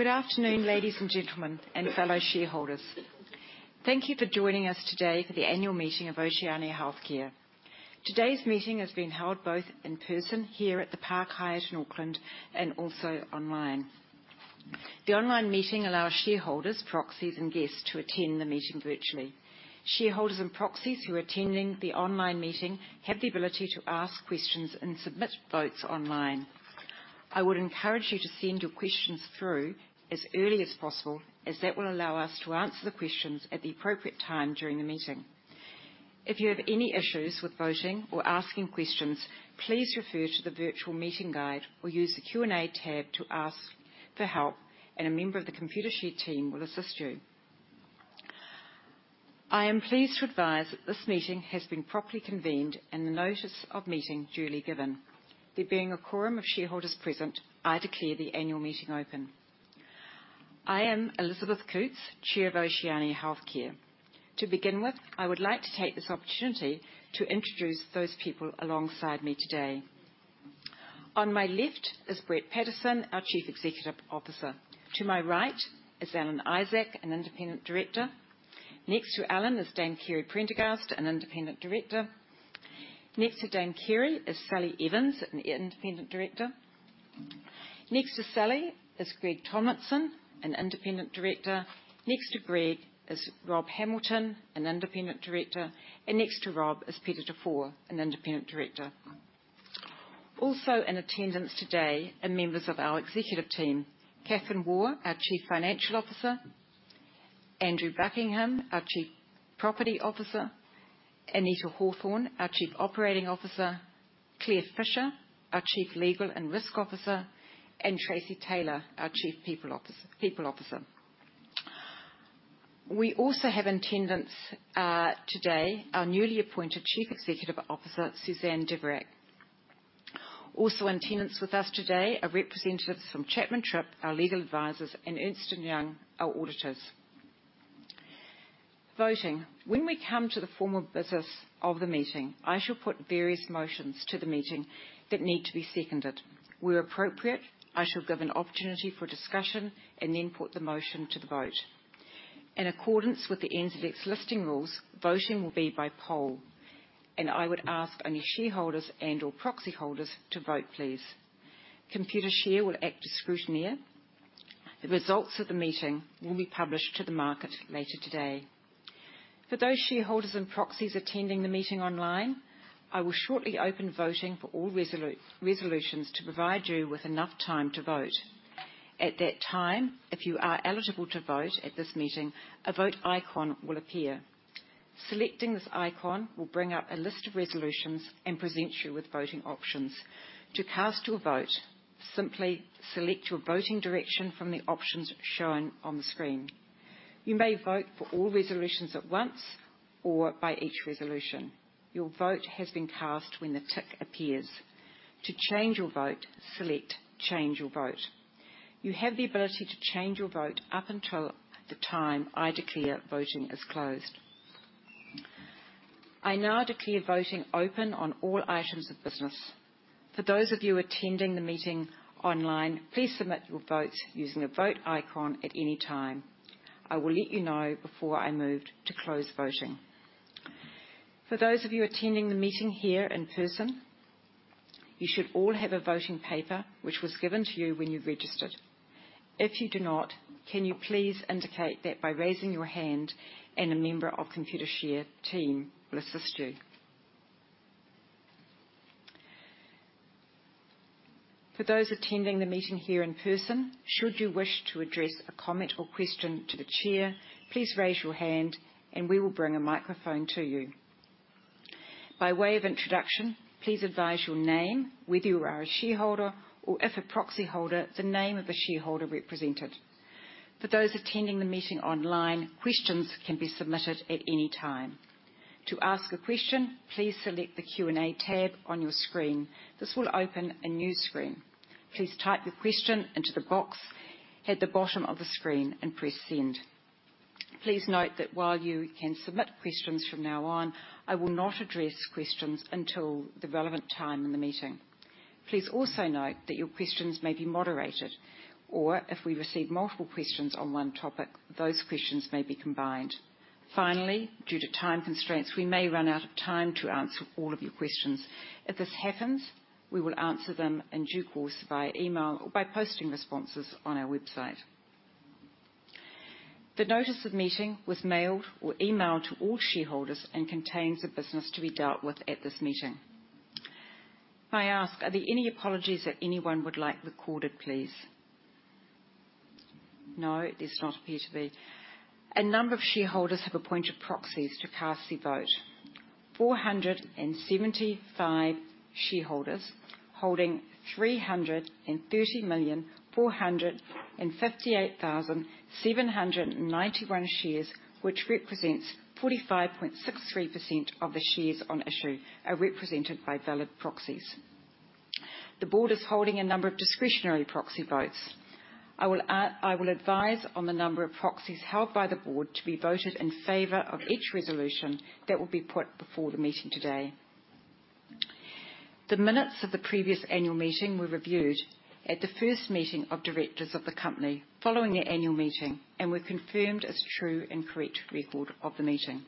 Good afternoon, ladies and gentlemen, and fellow shareholders. Thank you for joining us today for the annual meeting of Oceania Healthcare. Today's meeting has been held both in person here at the Park Hyatt Auckland and also online. The online meeting allows shareholders, proxies, and guests to attend the meeting virtually. Shareholders and proxies who are attending the online meeting have the ability to ask questions and submit votes online. I would encourage you to send your questions through as early as possible, as that will allow us to answer the questions at the appropriate time during the meeting. If you have any issues with voting or asking questions, please refer to the virtual meeting guide or use the Q&A tab to ask for help, and a member of the Computershare team will assist you. I am pleased to advise that this meeting has been properly convened and the notice of meeting duly given. There being a quorum of shareholders present, I declare the annual meeting open. I am Elizabeth Coutts, Chair of Oceania Healthcare. To begin with, I would like to take this opportunity to introduce those people alongside me today. On my left is Brent Pattison, our Chief Executive Officer. To my right is Alan Isaac, an independent director. Next to Alan is Dame Kerry Prendergast, an independent director. Next to Dame Kerry is Sally Evans, an independent director. Next to Sally is Greg Tomlinson, an independent director. Next to Greg is Rob Hamilton, an independent director. And next to Rob is Peter Dufaur, an independent director. Also in attendance today are members of our executive team: Kathryn Waugh, our Chief Financial Officer; Andrew Buckingham, our Chief Property Officer; Anita Hawthorne, our Chief Operating Officer; Claire Fisher, our Chief Legal and Risk Officer; and Tracy Taylor, our Chief People Officer. We also have in attendance today our newly appointed Chief Executive Officer, Suzanne Dvorak. Also in attendance with us today are representatives from Chapman Tripp, our legal advisers, and Ernst & Young, our auditors. Voting. When we come to the formal business of the meeting, I shall put various motions to the meeting that need to be seconded. Where appropriate, I shall give an opportunity for discussion and then put the motion to the vote. In accordance with the NZX listing rules, voting will be by poll, and I would ask only shareholders and/or proxy holders to vote, please. Computershare will act as scrutineer. The results of the meeting will be published to the market later today. For those shareholders and proxies attending the meeting online, I will shortly open voting for all resolutions to provide you with enough time to vote. At that time, if you are eligible to vote at this meeting, a vote icon will appear. Selecting this icon will bring up a list of resolutions and present you with voting options. To cast your vote, simply select your voting direction from the options shown on the screen. You may vote for all resolutions at once or by each resolution. Your vote has been cast when the tick appears. To change your vote, select Change Your Vote. You have the ability to change your vote up until the time I declare voting is closed. I now declare voting open on all items of business. For those of you attending the meeting online, please submit your votes using the vote icon at any time. I will let you know before I move to close voting. For those of you attending the meeting here in person, you should all have a voting paper, which was given to you when you registered. If you do not, can you please indicate that by raising your hand and a member of the Computershare team will assist you? For those attending the meeting here in person, should you wish to address a comment or question to the chair, please raise your hand and we will bring a microphone to you. By way of introduction, please advise your name, whether you are a shareholder or, if a proxy holder, the name of the shareholder represented. For those attending the meeting online, questions can be submitted at any time. To ask a question, please select the Q&A tab on your screen. This will open a new screen. Please type your question into the box at the bottom of the screen and press Send. Please note that while you can submit questions from now on, I will not address questions until the relevant time in the meeting. Please also note that your questions may be moderated, or if we receive multiple questions on one topic, those questions may be combined. Finally, due to time constraints, we may run out of time to answer all of your questions. If this happens, we will answer them in due course via email or by posting responses on our website. The notice of meeting was mailed or emailed to all shareholders and contains the business to be dealt with at this meeting. May I ask, are there any apologies that anyone would like recorded, please? No, there does not appear to be. A number of shareholders have appointed proxies to cast the vote. 475 shareholders holding 330,458,791 shares, which represents 45.63% of the shares on issue, are represented by valid proxies. The board is holding a number of discretionary proxy votes. I will advise on the number of proxies held by the board to be voted in favour of each resolution that will be put before the meeting today. The minutes of the previous annual meeting were reviewed at the first meeting of directors of the company following the annual meeting and were confirmed as true and correct record of the meeting.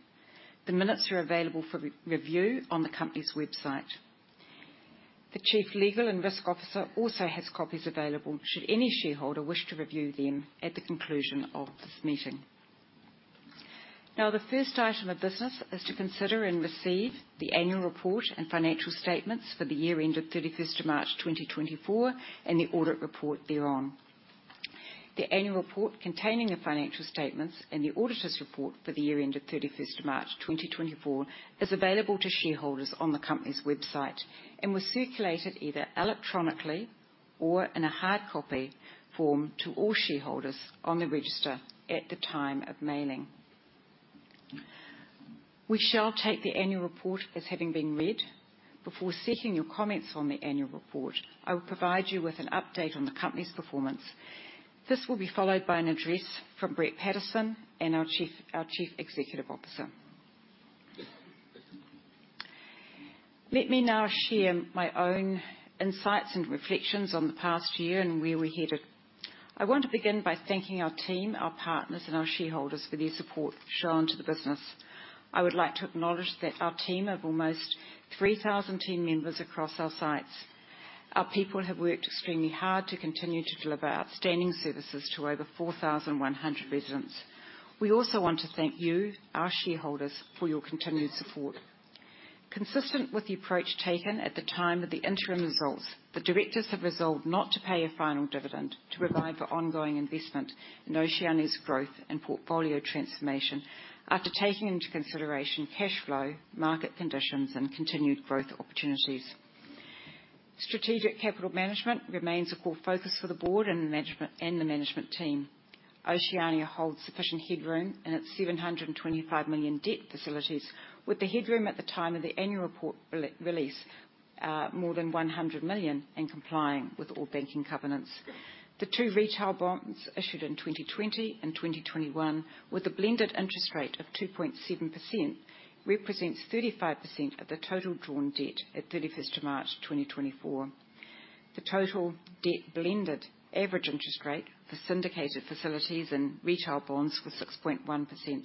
The minutes are available for review on the company's website. The Chief Legal and Risk Officer also has copies available should any shareholder wish to review them at the conclusion of this meeting. Now, the first item of business is to consider and receive the annual report and financial statements for the year ended 31st March 2024 and the audit report thereon. The annual report containing the financial statements and the auditor's report for the year ended 31st March 2024 is available to shareholders on the company's website and was circulated either electronically or in a hard copy form to all shareholders on the register at the time of mailing. We shall take the annual report as having been read. Before seeking your comments on the annual report, I will provide you with an update on the company's performance. This will be followed by an address from Brent Pattison and our Chief Executive Officer. Let me now share my own insights and reflections on the past year and where we're headed. I want to begin by thanking our team, our partners, and our shareholders for their support shown to the business. I would like to acknowledge that our team of almost 3,000 team members across our sites have worked extremely hard to continue to deliver outstanding services to over 4,100 residents. We also want to thank you, our shareholders, for your continued support. Consistent with the approach taken at the time of the interim results, the directors have resolved not to pay a final dividend to provide for ongoing investment in Oceania's growth and portfolio transformation after taking into consideration cash flow, market conditions, and continued growth opportunities. Strategic capital management remains a core focus for the board and the management team. Oceania holds sufficient headroom in its 725 million debt facilities, with the headroom at the time of the annual report release more than 100 million and complying with all banking covenants. The two retail bonds issued in 2020 and 2021, with a blended interest rate of 2.7%, represents 35% of the total drawn debt at 31st March 2024. The total debt blended average interest rate for syndicated facilities and retail bonds was 6.1%.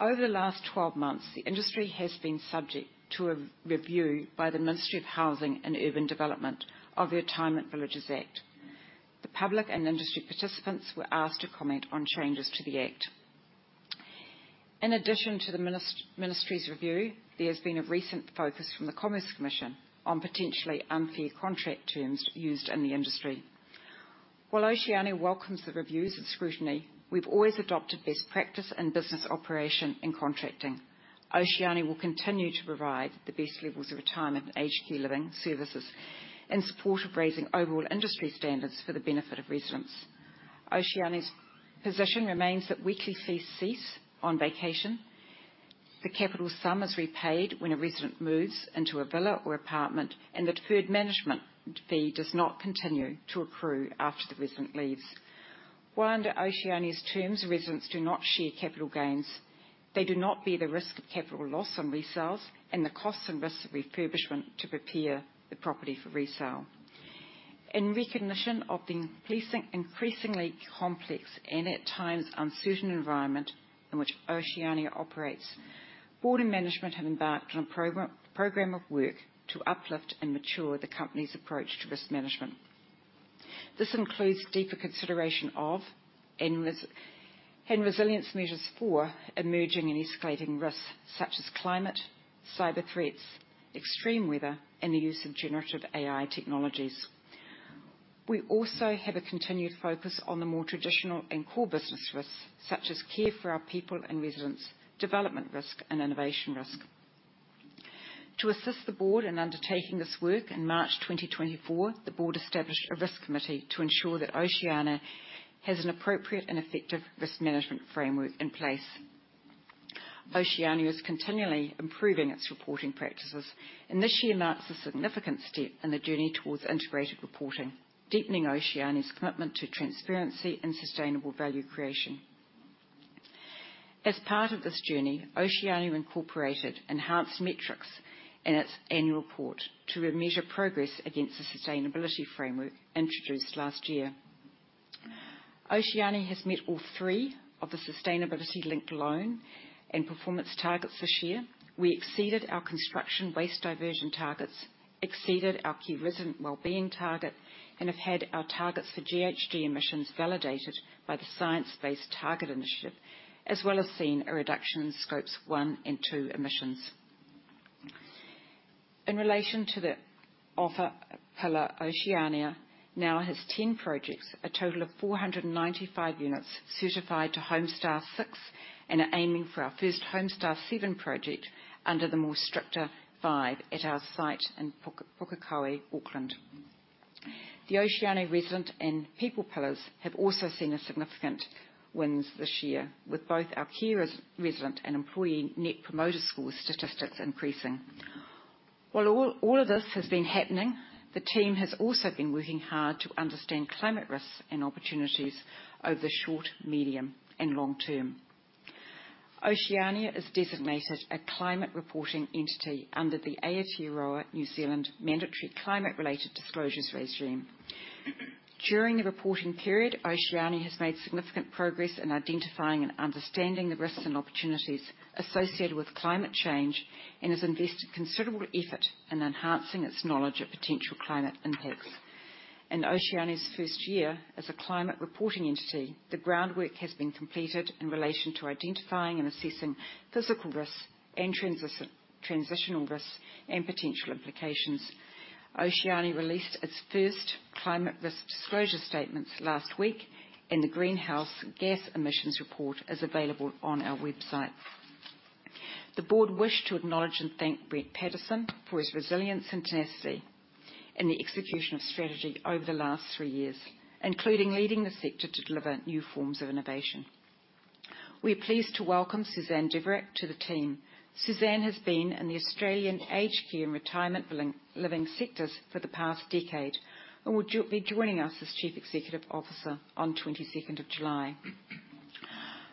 Over the last 12 months, the industry has been subject to a review by the Ministry of Housing and Urban Development of the Retirement Villages Act. The public and industry participants were asked to comment on changes to the act. In addition to the ministry's review, there has been a recent focus from the Commerce Commission on potentially unfair contract terms used in the industry. While Oceania welcomes the reviews and scrutiny, we've always adopted best practice in business operation and contracting. Oceania will continue to provide the best levels of retirement and aged care living services in support of raising overall industry standards for the benefit of residents. Oceania's position remains that weekly fees cease on vacation, the capital sum is repaid when a resident moves into a villa or apartment, and that further management fee does not continue to accrue after the resident leaves. While under Oceania's terms, residents do not share capital gains, they do not bear the risk of capital loss on resales and the costs and risks of refurbishment to prepare the property for resale. In recognition of the increasingly complex and at times uncertain environment in which Oceania operates, board and management have embarked on a program of work to uplift and mature the company's approach to risk management. This includes deeper consideration of and resilience measures for emerging and escalating risks such as climate, cyber threats, extreme weather, and the use of generative AI technologies. We also have a continued focus on the more traditional and core business risks such as care for our people and residents, development risk, and innovation risk. To assist the board in undertaking this work in March 2024, the board established a risk committee to ensure that Oceania has an appropriate and effective risk management framework in place. Oceania is continually improving its reporting practices, and this year marks a significant step in the journey towards integrated reporting, deepening Oceania's commitment to transparency and sustainable value creation. As part of this journey, Oceania incorporated enhanced metrics in its annual report to measure progress against the sustainability framework introduced last year. Oceania has met all three of the sustainability-linked loan and performance targets this year. We exceeded our construction waste diversion targets, exceeded our key resident wellbeing target, and have had our targets for GHG emissions validated by the Science Based Targets initiative, as well as seen a reduction in Scope 1 and Scope 2 emissions. In relation to the offer pillar, Oceania now has 10 projects, a total of 495 units certified to Homestar 6 and are aiming for our first Homestar 7 project under the more stricter V5 at our site in Pukekohe, Auckland. The Oceania Resident and People pillars have also seen significant wins this year, with both our key resident and employee Net Promoter Scores statistics increasing. While all of this has been happening, the team has also been working hard to understand climate risks and opportunities over the short, medium, and long term. Oceania is designated a climate reporting entity under the Aotearoa New Zealand mandatory climate-related disclosures regime. During the reporting period, Oceania has made significant progress in identifying and understanding the risks and opportunities associated with climate change and has invested considerable effort in enhancing its knowledge of potential climate impacts. In Oceania's first year as a climate reporting entity, the groundwork has been completed in relation to identifying and assessing physical risks and transitional risks and potential implications. Oceania released its first climate risk disclosure statements last week, and the greenhouse gas emissions report is available on our website. The board wished to acknowledge and thank Brent Pattison for his resilience and tenacity in the execution of strategy over the last three years, including leading the sector to deliver new forms of innovation. We are pleased to welcome Suzanne Dvorak to the team. Suzanne has been in the Australian aged care and retirement living sectors for the past decade and will be joining us as Chief Executive Officer on 22nd July.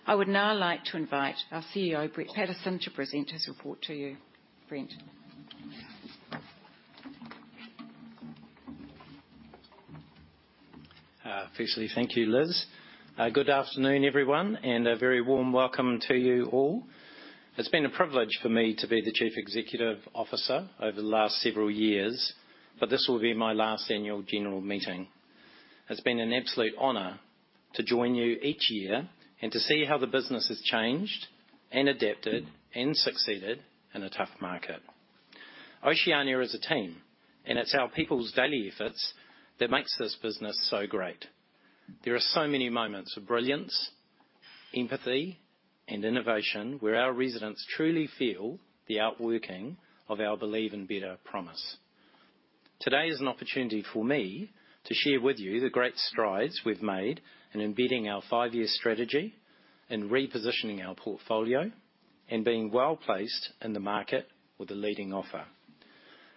I would now like to invite our CEO, Brent Pattison, to present his report to you. Brent. Firstly, thank you, Liz. Good afternoon, everyone, and a very warm welcome to you all. It's been a privilege for me to be the Chief Executive Officer over the last several years, but this will be my last annual general meeting. It's been an absolute honour to join you each year and to see how the business has changed and adapted and succeeded in a tough market. Oceania is a team, and it's our people's daily efforts that make this business so great. There are so many moments of brilliance, empathy, and innovation where our residents truly feel the outworking of our belief in better promise. Today is an opportunity for me to share with you the great strides we've made in embedding our five-year strategy and repositioning our portfolio and being well placed in the market with a leading offer.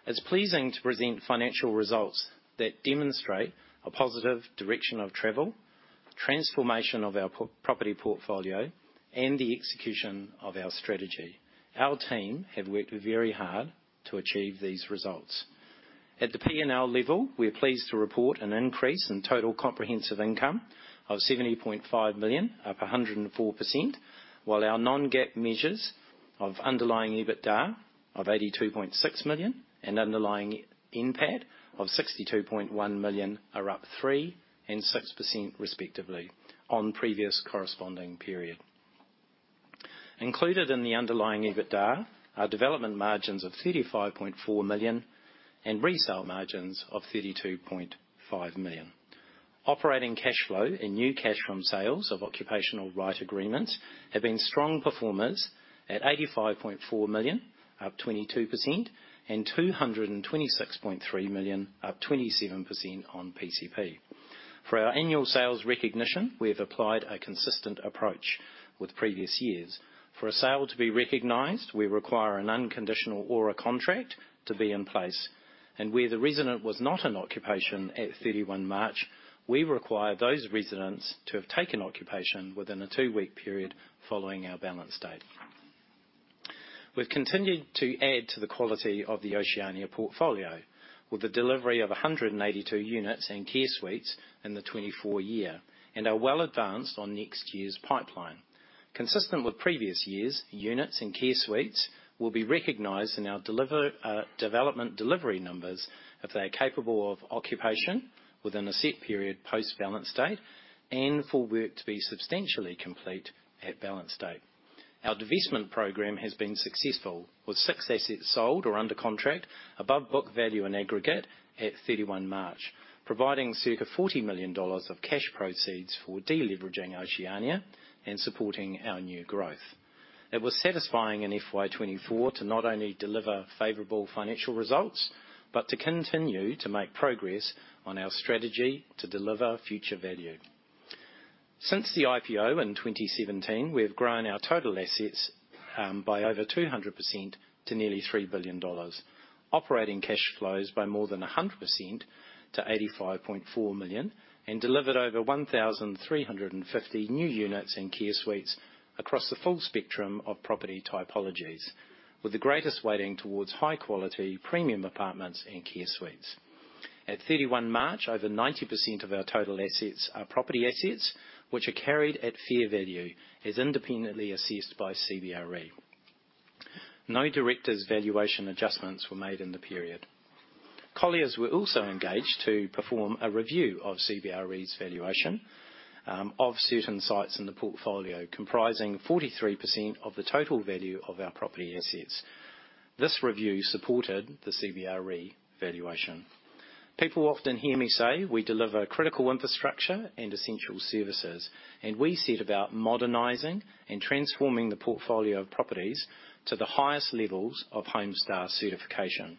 It's pleasing to present financial results that demonstrate a positive direction of travel, transformation of our property portfolio, and the execution of our strategy. Our team has worked very hard to achieve these results. At the P&L level, we're pleased to report an increase in total comprehensive income of 70.5 million, up 104%, while our non-GAAP measures of underlying EBITDA of 82.6 million and underlying NPAT of 62.1 million are up 3% and 6% respectively on the previous corresponding period. Included in the underlying EBITDA are development margins of 35.4 million and resale margins of 32.5 million. Operating cash flow and new cash from sales of occupation right agreements have been strong performers at 85.4 million, up 22%, and 226.3 million, up 27% on PCP. For our annual sales recognition, we have applied a consistent approach with previous years. For a sale to be recognized, we require an unconditional ORA contract to be in place. Where the resident was not in occupation at 31 March, we require those residents to have taken occupation within a two-week period following our balance date. We've continued to add to the quality of the Oceania portfolio with the delivery of 182 units and care suites in the 2024 year and are well advanced on next year's pipeline. Consistent with previous years, units and care suites will be recognized in our development delivery numbers if they are capable of occupation within a set period post-balance date and for work to be substantially complete at balance date. Our divestment program has been successful with 6 assets sold or under contract above book value and aggregate at 31 March, providing circa NZD 40 million of cash proceeds for deleveraging Oceania and supporting our new growth. It was satisfying in FY24 to not only deliver favorable financial results, but to continue to make progress on our strategy to deliver future value. Since the IPO in 2017, we have grown our total assets by over 200% to nearly 3 billion dollars, operating cash flows by more than 100% to 85.4 million, and delivered over 1,350 new units and care suites across the full spectrum of property typologies, with the greatest weighting towards high-quality premium apartments and care suites. At 31 March, over 90% of our total assets are property assets, which are carried at fair value as independently assessed by CBRE. No directors' valuation adjustments were made in the period. Colliers were also engaged to perform a review of CBRE's valuation of certain sites in the portfolio, comprising 43% of the total value of our property assets. This review supported the CBRE valuation. People often hear me say we deliver critical infrastructure and essential services, and we set about modernizing and transforming the portfolio of properties to the highest levels of Homestar certification.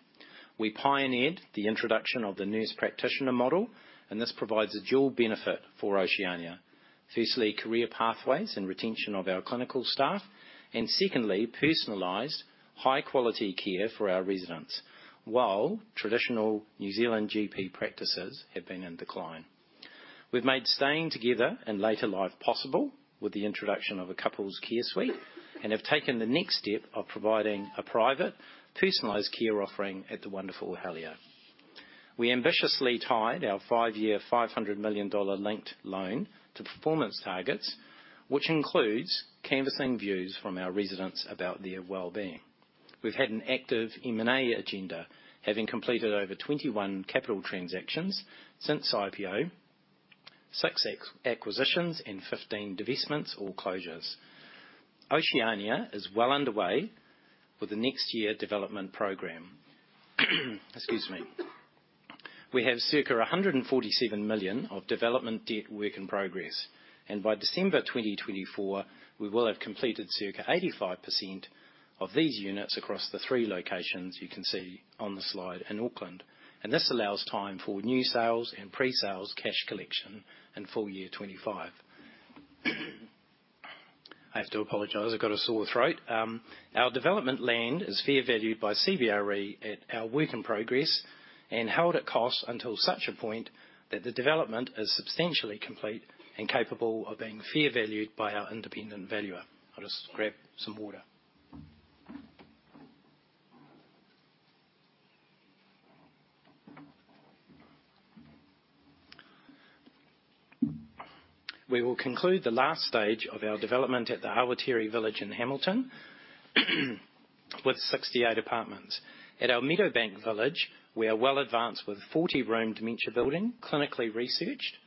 We pioneered the introduction of the nurse practitioner model, and this provides a dual benefit for Oceania. Firstly, career pathways and retention of our clinical staff, and secondly, personalized high-quality care for our residents, while traditional New Zealand GP practices have been in decline. We've made staying together and later life possible with the introduction of a couples care suite and have taken the next step of providing a private, personalized care offering at the wonderful The Helier. We ambitiously tied our five-year NZD 500 million linked loan to performance targets, which includes canvassing views from our residents about their well-being. We've had an active M&A agenda, having completed over 21 capital transactions since IPO, six acquisitions, and 15 divestments or closures. Oceania is well underway with the next year development program. Excuse me. We have circa 147 million of development debt work in progress, and by December 2024, we will have completed circa 85% of these units across the three locations you can see on the slide in Auckland. This allows time for new sales and pre-sales cash collection in full year 2025. I have to apologize, I've got a sore throat. Our development land is fair valued by CBRE at our work in progress and held at cost until such a point that the development is substantially complete and capable of being fair valued by our independent valuer. I'll just grab some water. We will conclude the last stage of our development at The Awatere Village in Hamilton with 68 apartments. At our Meadowbank Village, we are well advanced with a 40-room dementia building, clinically researched,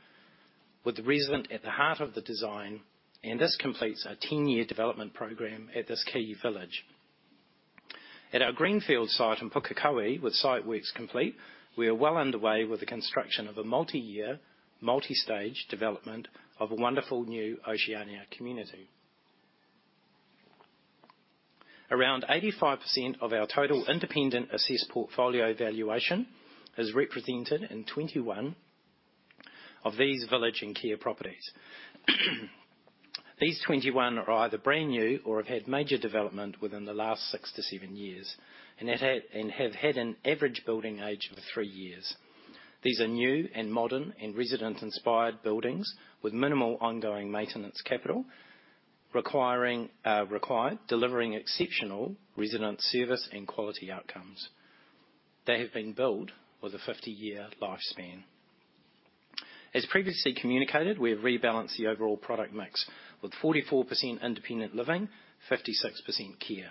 with the resident at the heart of the design, and this completes our 10-year development program at this key village. At our greenfield site in Pukekohe, with site works complete, we are well underway with the construction of a multi-year, multi-stage development of a wonderful new Oceania community. Around 85% of our total independent assessed portfolio valuation is represented in 21 of these village and care properties. These 21 are either brand new or have had major development within the last 6-7 years and have had an average building age of 3 years. These are new and modern and resident-inspired buildings with minimal ongoing maintenance capital required, delivering exceptional resident service and quality outcomes. They have been built with a 50-year lifespan. As previously communicated, we have rebalanced the overall product mix with 44% independent living, 56% care.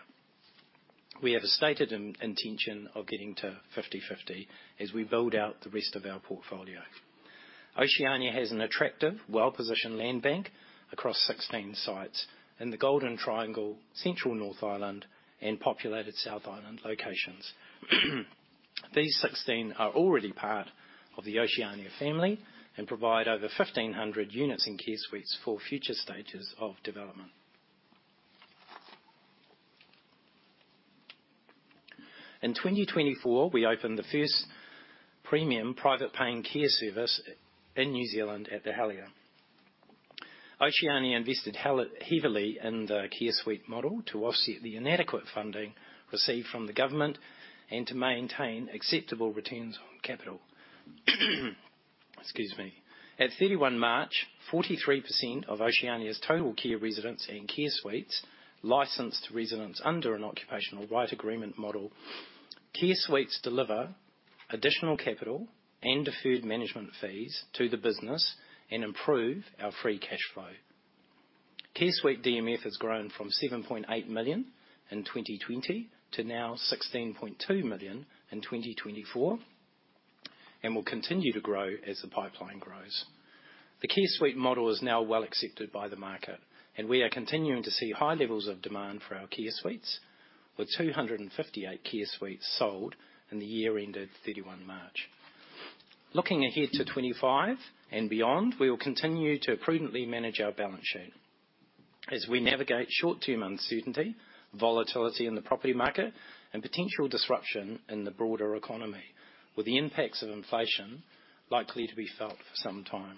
We have a stated intention of getting to 50/50 as we build out the rest of our portfolio. Oceania has an attractive, well-positioned land bank across 16 sites in the Golden Triangle, Central North Island, and populated South Island locations. These 16 are already part of the Oceania family and provide over 1,500 units and care suites for future stages of development. In 2024, we opened the first premium private-paying care service in New Zealand at The Helier. Oceania invested heavily in the care suite model to offset the inadequate funding received from the government and to maintain acceptable returns on capital. Excuse me. At 31 March, 43% of Oceania's total care residents and care suites licensed to residents under an occupation right agreement model. Care suites deliver additional capital and deferred management fees to the business and improve our free cash flow. Care suite DMF has grown from 7.8 million in 2020 to now 16.2 million in 2024 and will continue to grow as the pipeline grows. The care suite model is now well accepted by the market, and we are continuing to see high levels of demand for our care suites, with 258 care suites sold in the year ended 31 March. Looking ahead to 2025 and beyond, we will continue to prudently manage our balance sheet as we navigate short-term uncertainty, volatility in the property market, and potential disruption in the broader economy, with the impacts of inflation likely to be felt for some time.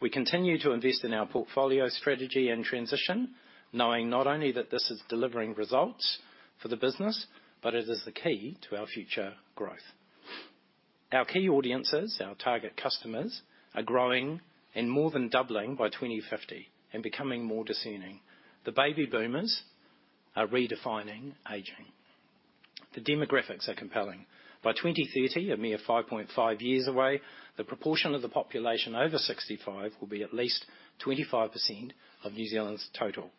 We continue to invest in our portfolio strategy and transition, knowing not only that this is delivering results for the business, but it is the key to our future growth. Our key audiences, our target customers, are growing and more than doubling by 2050 and becoming more discerning. The baby boomers are redefining aging. The demographics are compelling. By 2030, a mere 5.5 years away, the proportion of the population over 65 will be at least 25% of New Zealand's total.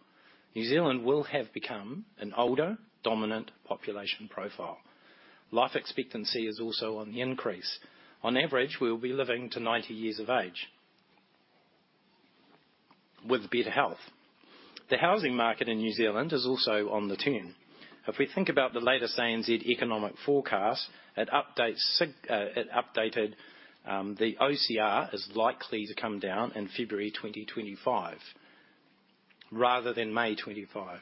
New Zealand will have become an older dominant population profile. Life expectancy is also on the increase. On average, we will be living to 90 years of age with better health. The housing market in New Zealand is also on the turn. If we think about the latest ANZ economic forecast, it updated the OCR as likely to come down in February 2025 rather than May 2025.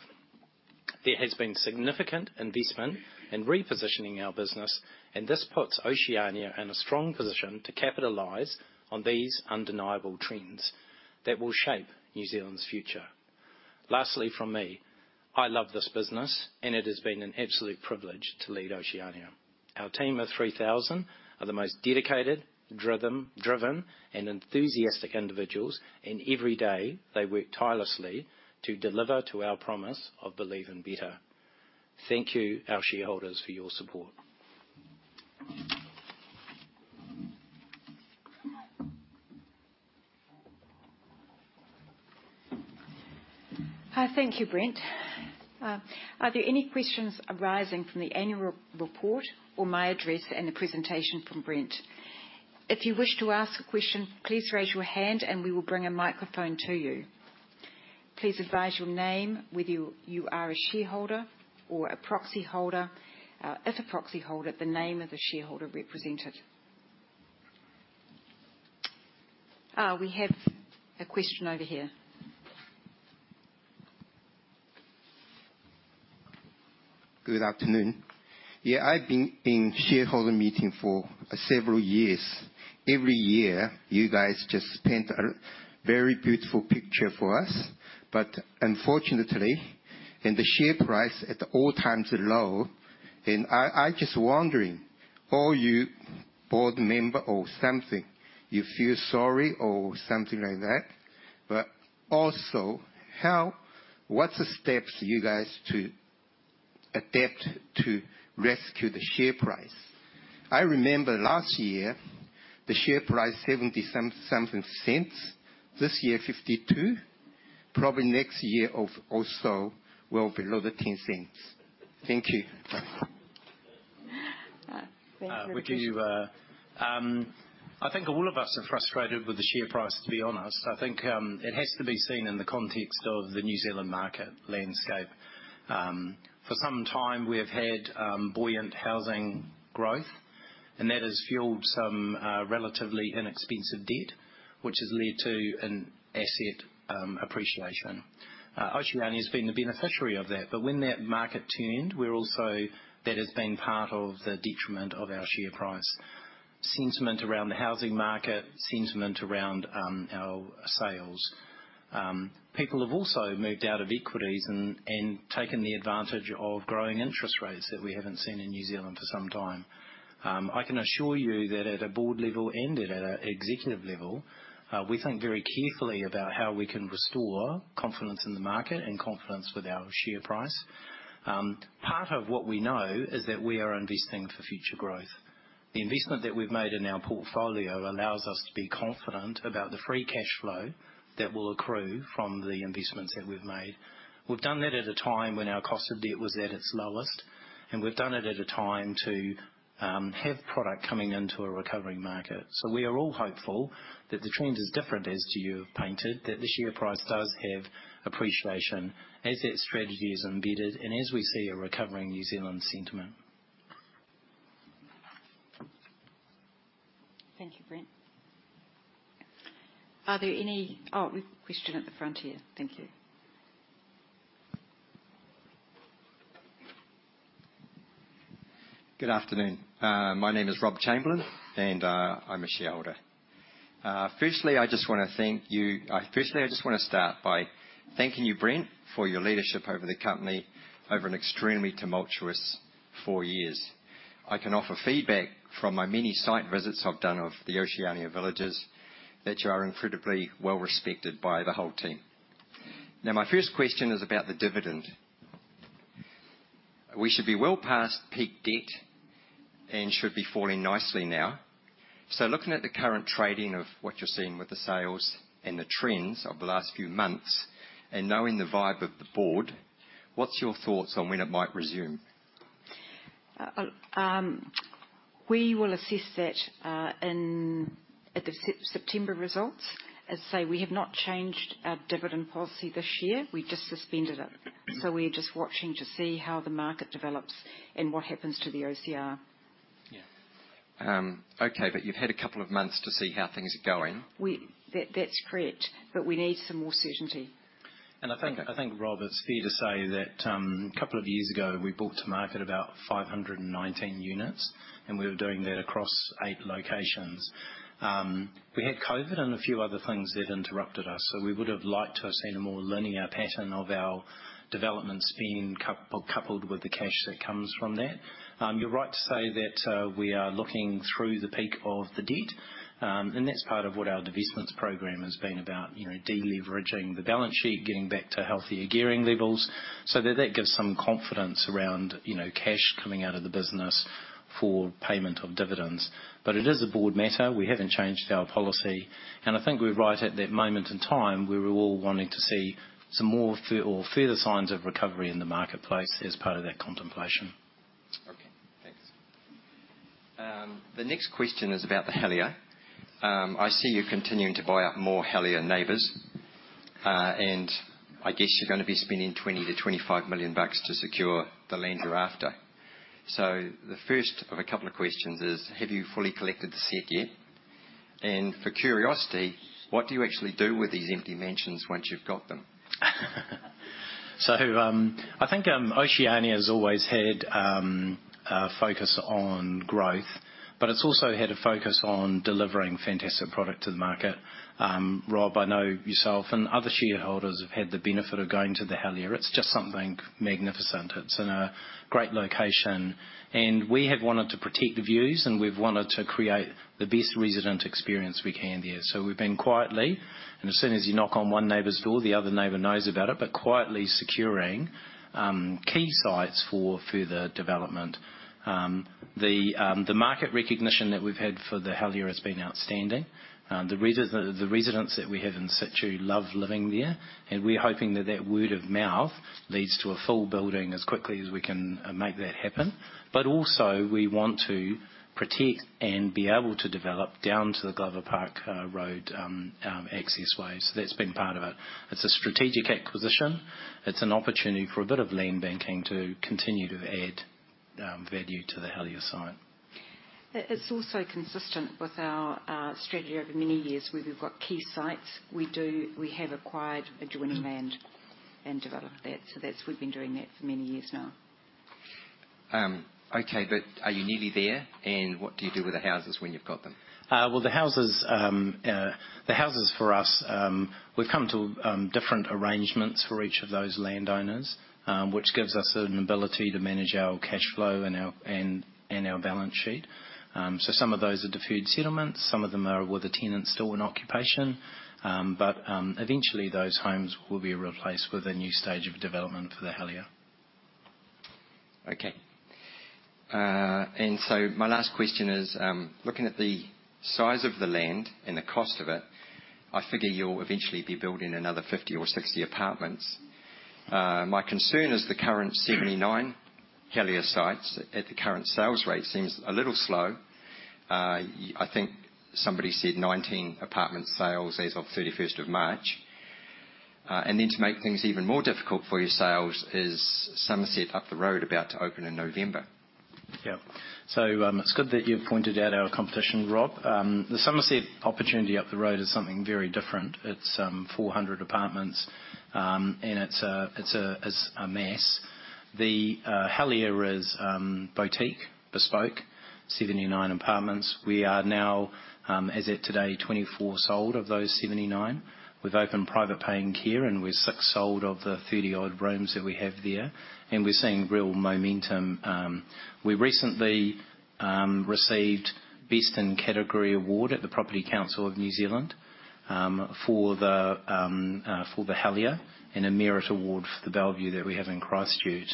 There has been significant investment and repositioning in our business, and this puts Oceania in a strong position to capitalize on these undeniable trends that will shape New Zealand's future. Lastly, from me, I love this business, and it has been an absolute privilege to lead Oceania. Our team of 3,000 are the most dedicated, driven, and enthusiastic individuals, and every day they work tirelessly to deliver to our promise of believing better. Thank you, our shareholders, for your support. Thank you, Brent. Are there any questions arising from the annual report or my address and the presentation from Brent? If you wish to ask a question, please raise your hand, and we will bring a microphone to you. Please advise your name, whether you are a shareholder or a proxy holder. If a proxy holder, the name of the shareholder represented. We have a question over here. Good afternoon. Yeah, I've been in shareholder meeting for several years. Every year, you guys just paint a very beautiful picture for us, but unfortunately, the share price at all times is low, and I'm just wondering, are you board member or something? You feel sorry or something like that? But also, what's the steps you guys to adapt to rescue the share price? I remember last year, the share price was 0.70-something. This year, 0.52. Probably next year, also well below 0.10. Thank you. Thank you. I think all of us are frustrated with the share price, to be honest. I think it has to be seen in the context of the New Zealand market landscape. For some time, we have had buoyant housing growth, and that has fuelled some relatively inexpensive debt, which has led to an asset appreciation. Oceania has been the beneficiary of that, but when that market turned, we're also—that has been part of the detriment of our share price. Sentiment around the housing market, sentiment around our sales. People have also moved out of equities and taken the advantage of growing interest rates that we haven't seen in New Zealand for some time. I can assure you that at a board level and at an executive level, we think very carefully about how we can restore confidence in the market and confidence with our share price. Part of what we know is that we are investing for future growth. The investment that we've made in our portfolio allows us to be confident about the free cash flow that will accrue from the investments that we've made. We've done that at a time when our cost of debt was at its lowest, and we've done it at a time to have product coming into a recovering market. So we are all hopeful that the trend is different as you have painted, that the share price does have appreciation as that strategy is embedded and as we see a recovering New Zealand sentiment. Thank you, Brent. Are there any? Oh, we have a question at the front here. Thank you. Good afternoon. My name is Rob Chamberlain, and I'm a shareholder. Firstly, I just want to thank you. Firstly, I just want to start by thanking you, Brent, for your leadership over the company over an extremely tumultuous four years. I can offer feedback from my many site visits I've done of the Oceania villages that you are incredibly well respected by the whole team. Now, my first question is about the dividend. We should be well past peak debt and should be falling nicely now. So looking at the current trading of what you're seeing with the sales and the trends of the last few months, and knowing the vibe of the board, what's your thoughts on when it might resume? We will assess that at the September results. As I say, we have not changed our dividend policy this year. We just suspended it. So we're just watching to see how the market develops and what happens to the OCR. Yeah. Okay, but you've had a couple of months to see how things are going. That's correct, but we need some more certainty. And I think, Rob, it's fair to say that a couple of years ago, we brought to market about 519 units, and we were doing that across eight locations. We had COVID and a few other things that interrupted us, so we would have liked to have seen a more linear pattern of our development spend coupled with the cash that comes from that. You're right to say that we are looking through the peak of the debt, and that's part of what our divestments program has been about, deleveraging the balance sheet, getting back to healthier gearing levels. So that gives some confidence around cash coming out of the business for payment of dividends. But it is a board matter. We haven't changed our policy, and I think we're right at that moment in time where we're all wanting to see some more or further signs of recovery in the marketplace as part of that contemplation. Okay, thanks. The next question is about The Helier. I see you continuing to buy up more The Helier neighbors, and I guess you're going to be spending 20 million-25 million bucks to secure the land you're after. So the first of a couple of questions is, have you fully collected the set yet? And for curiosity, what do you actually do with these empty mansions once you've got them? So I think Oceania has always had a focus on growth, but it's also had a focus on delivering fantastic product to the market. Rob, I know yourself and other shareholders have had the benefit of going to The Helier. It's just something magnificent. It's in a great location, and we have wanted to protect the views, and we've wanted to create the best resident experience we can there. So we've been quietly, and as soon as you knock on one neighbour's door, the other neighbour knows about it, but quietly securing key sites for further development. The market recognition that we've had for The Helier has been outstanding. The residents that we have in situ love living there, and we're hoping that that word of mouth leads to a full building as quickly as we can make that happen. But also, we want to protect and be able to develop down to the Glover Park Road access way. So that's been part of it. It's a strategic acquisition. It's an opportunity for a bit of land banking to continue to add value to The Helier site. It's also consistent with our strategy over many years where we've got key sites. We have acquired adjoining land and developed that. So we've been doing that for many years now. Okay, but are you nearly there? And what do you do with the houses when you've got them? Well, the houses for us, we've come to different arrangements for each of those landowners, which gives us an ability to manage our cash flow and our balance sheet. So some of those are deferred settlements. Some of them are with the tenants still in occupation, but eventually, those homes will be replaced with a new stage of development for The Helier. Okay. And so my last question is, looking at the size of the land and the cost of it, I figure you'll eventually be building another 50 or 60 apartments. My concern is the current 79 The Helier sites at the current sales rate seems a little slow. I think somebody said 19 apartment sales as of 31st of March. Then to make things even more difficult for your sales is Summerset up the road about to open in November. Yeah. It's good that you've pointed out our competition, Rob. The Summerset opportunity up the road is something very different. It's 400 apartments, and it's a mess. The Helier is boutique, bespoke, 79 apartments. We are now, as of today, 24 sold of those 79. We've opened private paying care, and we're 6 sold of the 30-odd rooms that we have there, and we're seeing real momentum. We recently received Best in Category award at the Property Council of New Zealand for The Helier and a merit award for The Bellevue that we have in Christchurch.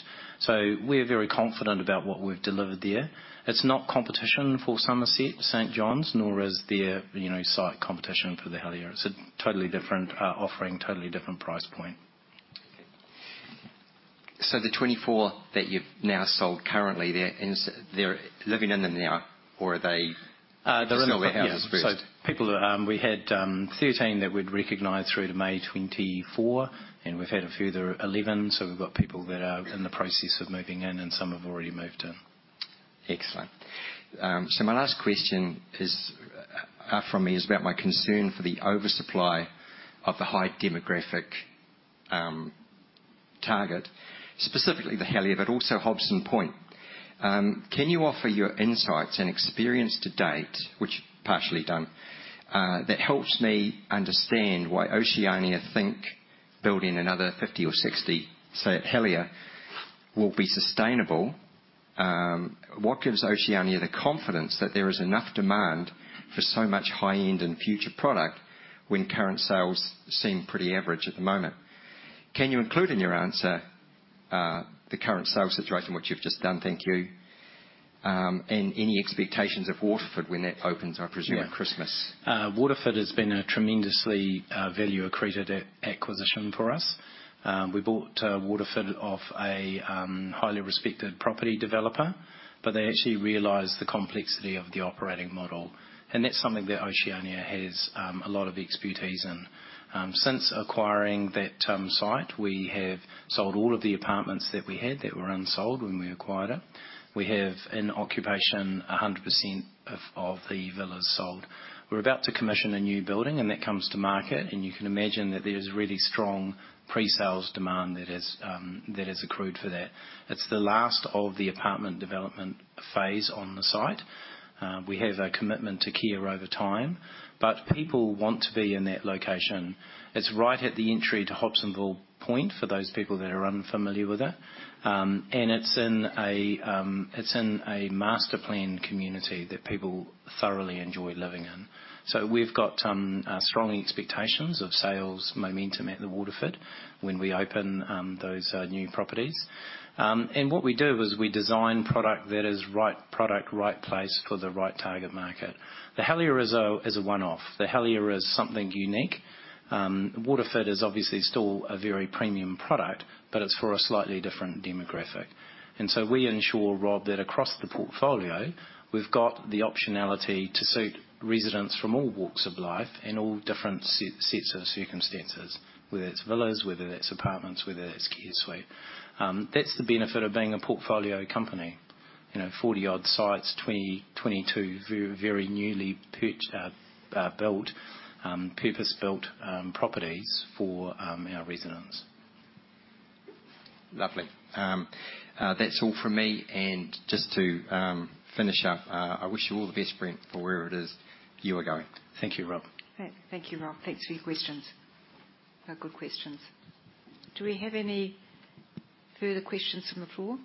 We're very confident about what we've delivered there. It's not competition for Summerset, St Johns, nor is there site competition for The Helier. It's a totally different offering, totally different price point. Okay. So the 24 that you've now sold currently, they're living in them now, or are they still their houses? So we had 13 that we'd recognise through to May 2024, and we've had a further 11. So we've got people that are in the process of moving in, and some have already moved in. Excellent. So my last question from me is about my concern for the oversupply of the high demographic target, specifically The Helier, but also Hobsonville Point. Can you offer your insights and experience to date, which is partially done, that helps me understand why Oceania think building another 50 or 60, say, at Helier will be sustainable? What gives Oceania the confidence that there is enough demand for so much high-end and future product when current sales seem pretty average at the moment? Can you include in your answer the current sales situation, what you've just done? Thank you. Any expectations of Waterford when that opens, I presume, at Christmas? Waterford has been a tremendously value-accreted acquisition for us. We bought Waterford off a highly respected property developer, but they actually realized the complexity of the operating model, and that's something that Oceania has a lot of expertise in. Since acquiring that site, we have sold all of the apartments that we had that were unsold when we acquired it. We have in occupation 100% of the villas sold. We're about to commission a new building, and that comes to market, and you can imagine that there's really strong pre-sales demand that has accrued for that. It's the last of the apartment development phase on the site. We have a commitment to care over time, but people want to be in that location. It's right at the entry to Hobsonville Point for those people that are unfamiliar with it, and it's in a master plan community that people thoroughly enjoy living in. So we've got strong expectations of sales momentum at The Waterford when we open those new properties. And what we do is we design product that is right product, right place for the right target market. The Helier is a one-off. The Helier is something unique. Waterford is obviously still a very premium product, but it's for a slightly different demographic. And so we ensure, Rob, that across the portfolio, we've got the optionality to suit residents from all walks of life and all different sets of circumstances, whether it's villas, whether it's apartments, whether it's care suite. That's the benefit of being a portfolio company. 40-odd sites, 22 very newly built, purpose-built properties for our residents. Lovely. That's all from me. And just to finish up, I wish you all the best, Brent, for where it is you are going. Thank you, Rob. Thank you, Rob. Thanks for your questions. They're good questions. Do we have any further questions from the floor?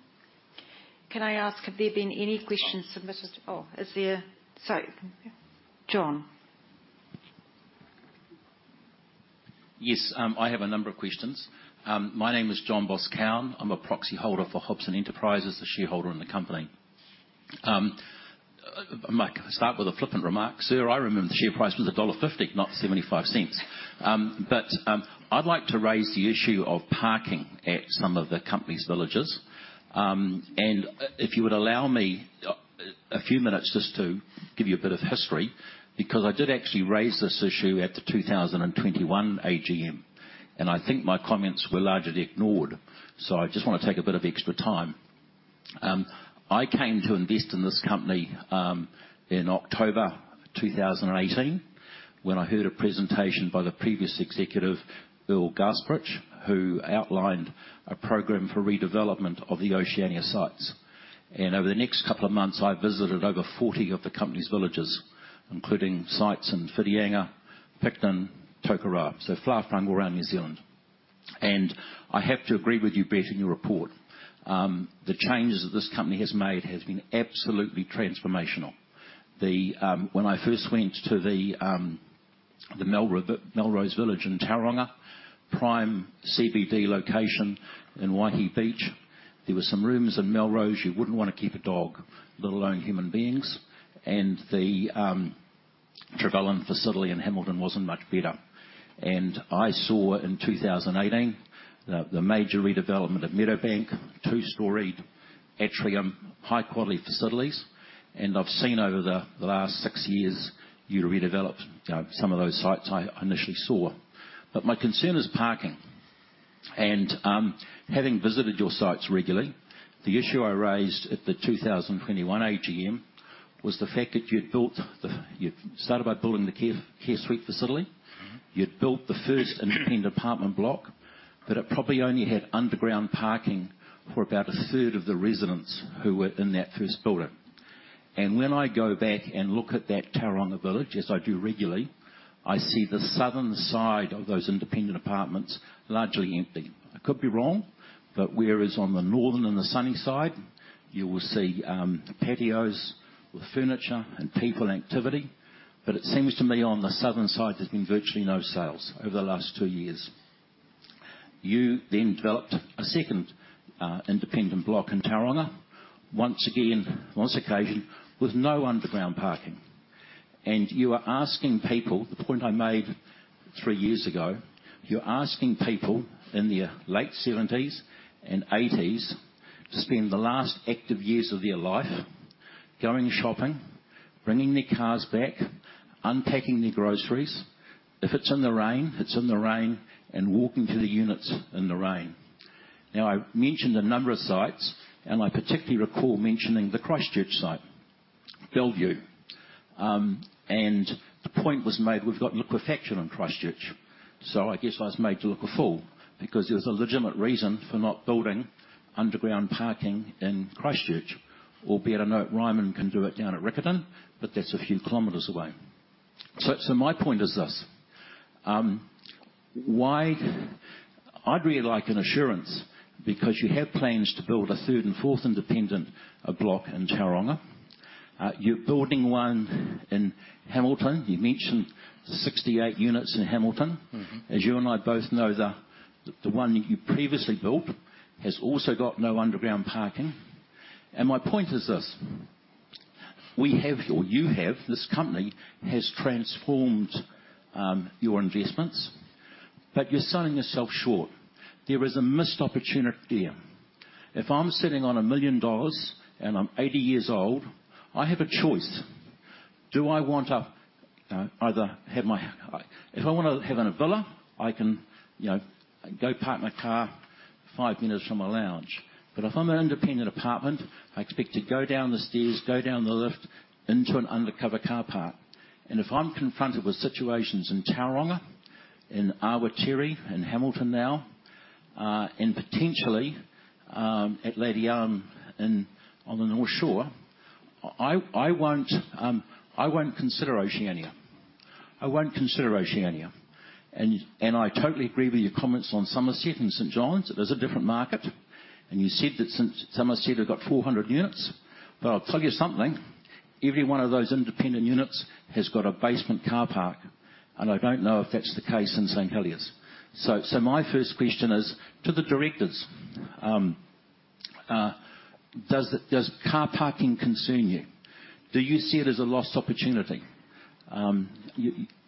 Can I ask, have there been any questions submitted? Oh, is there? Sorry. John. Yes. I have a number of questions. My name is John Boscawen. I'm a proxy holder for Hobson Enterprises, the shareholder in the company. I might start with a flippant remark. Sir, I remember the share price was dollar 1.50, not 75 cents. But I'd like to raise the issue of parking at some of the company's villages. If you would allow me a few minutes just to give you a bit of history, because I did actually raise this issue at the 2021 AGM, and I think my comments were largely ignored. So I just want to take a bit of extra time. I came to invest in this company in October 2018 when I heard a presentation by the previous executive, Bill Gasparich, who outlined a program for redevelopment of the Oceania sites. Over the next couple of months, I visited over 40 of the company's villages, including sites in Feilding, Picton, Tokoroa. So far-flung all around New Zealand. And I have to agree with you, Brent, in your report. The changes that this company has made have been absolutely transformational. When I first went to the Melrose Village in Tauranga, prime CBD location in Waihi Beach, there were some rooms in Melrose you wouldn't want to keep a dog, let alone human beings. The Trevellyn facility in Hamilton wasn't much better. I saw in 2018 the major redevelopment of Meadowbank, two-storey atrium, high-quality facilities. I've seen over the last six years you redeveloped some of those sites I initially saw. But my concern is parking. Having visited your sites regularly, the issue I raised at the 2021 AGM was the fact that you started by building the care suite facility. You had built the first independent apartment block, but it probably only had underground parking for about a third of the residents who were in that first building. And when I go back and look at that Tauranga village, as I do regularly, I see the southern side of those independent apartments largely empty. I could be wrong, but whereas on the northern and the sunny side, you will see patios with furniture and people activity. But it seems to me on the southern side there's been virtually no sales over the last two years. You then developed a second independent block in Tauranga, once again, once occasion with no underground parking. And you are asking people, the point I made three years ago, you're asking people in their late 70s and 80s to spend the last active years of their life going shopping, bringing their cars back, unpacking their groceries. If it's in the rain, it's in the rain, and walking to the units in the rain. Now, I mentioned a number of sites, and I particularly recall mentioning the Christchurch site, Bellevue. And the point was made, we've got liquefaction in Christchurch. So I guess I was made to look a fool because there was a legitimate reason for not building underground parking in Christchurch, albeit I know Ryman can do it down at Riccarton, but that's a few kilometers away. So my point is this. I'd really like an assurance because you have plans to build a third and fourth independent block in Tauranga. You're building one in Hamilton. You mentioned 68 units in Hamilton. As you and I both know, the one that you previously built has also got no underground parking. And my point is this. We have, or you have, this company has transformed your investments, but you're selling yourself short. There is a missed opportunity there. If I'm sitting on 1 million dollars and I'm 80 years old, I have a choice. Do I want to either have my if I want to have a villa, I can go park my car 5 minutes from my lounge. But if I'm an independent apartment, I expect to go down the stairs, go down the lift into an undercover car park. And if I'm confronted with situations in Tauranga, in Awatere, in Hamilton now, and potentially at Lady Allum on the North Shore, I won't consider Oceania. I won't consider Oceania. And I totally agree with your comments on Summerset and St Johns. It is a different market. And you said that Summerset have got 400 units. But I'll tell you something, every one of those independent units has got a basement car park, and I don't know if that's the case in St Heliers. So my first question is to the directors. Does car parking concern you? Do you see it as a lost opportunity?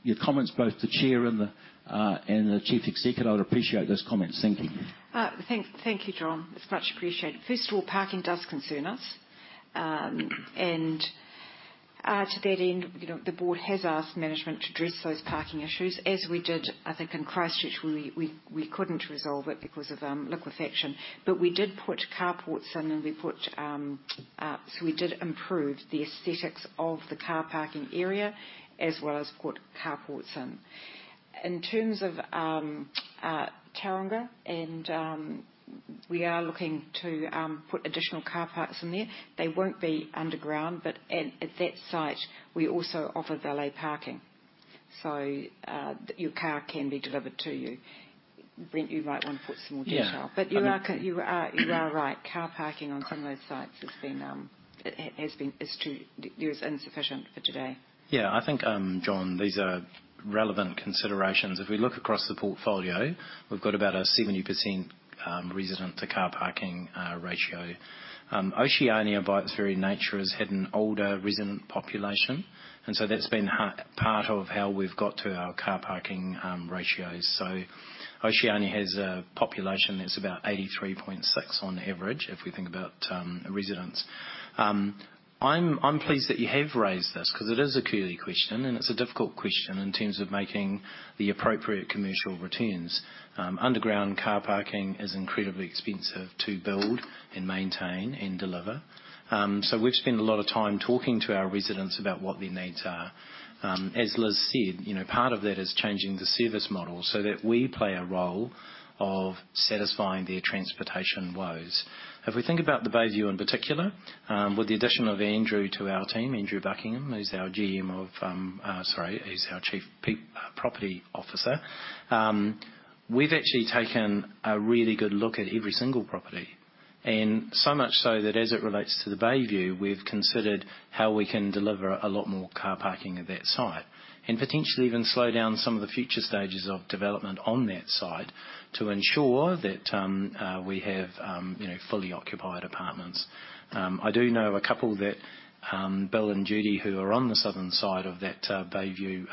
Your comments, both the chair and the chief executive, I'd appreciate those comments. Thank you. Thank you, John. It's much appreciated. First of all, parking does concern us. To that end, the board has asked management to address those parking issues, as we did, I think, in Christchurch. We couldn't resolve it because of liquefaction. But we did put carports in, and so we did improve the aesthetics of the car parking area as well as put carports in. In terms of Tauranga, we are looking to put additional car parks in there. They won't be underground, but at that site, we also offer valet parking. So your car can be delivered to you. Brent, you might want to put some more detail. But you are right. Car parking on some of those sites has been too tight. There is insufficient for today. Yeah. I think, John, these are relevant considerations. If we look across the portfolio, we've got about a 70% resident-to-car parking ratio. Oceania, by its very nature, has had an older resident population, and so that's been part of how we've got to our car parking ratios. So Oceania has a population that's about 83.6 on average if we think about residents. I'm pleased that you have raised this because it is a key question, and it's a difficult question in terms of making the appropriate commercial returns. Underground car parking is incredibly expensive to build and maintain and deliver. So we've spent a lot of time talking to our residents about what their needs are. As Liz said, part of that is changing the service model so that we play a role of satisfying their transportation woes. If we think about The BayView in particular, with the addition of Andrew to our team, Andrew Buckingham, who's our GM of sorry, he's our Chief Property Officer, we've actually taken a really good look at every single property. And so much so that as it relates to The BayView, we've considered how we can deliver a lot more car parking at that site and potentially even slow down some of the future stages of development on that site to ensure that we have fully occupied apartments. I do know a couple that Bill and Judy, who are on the southern side of that The BayView,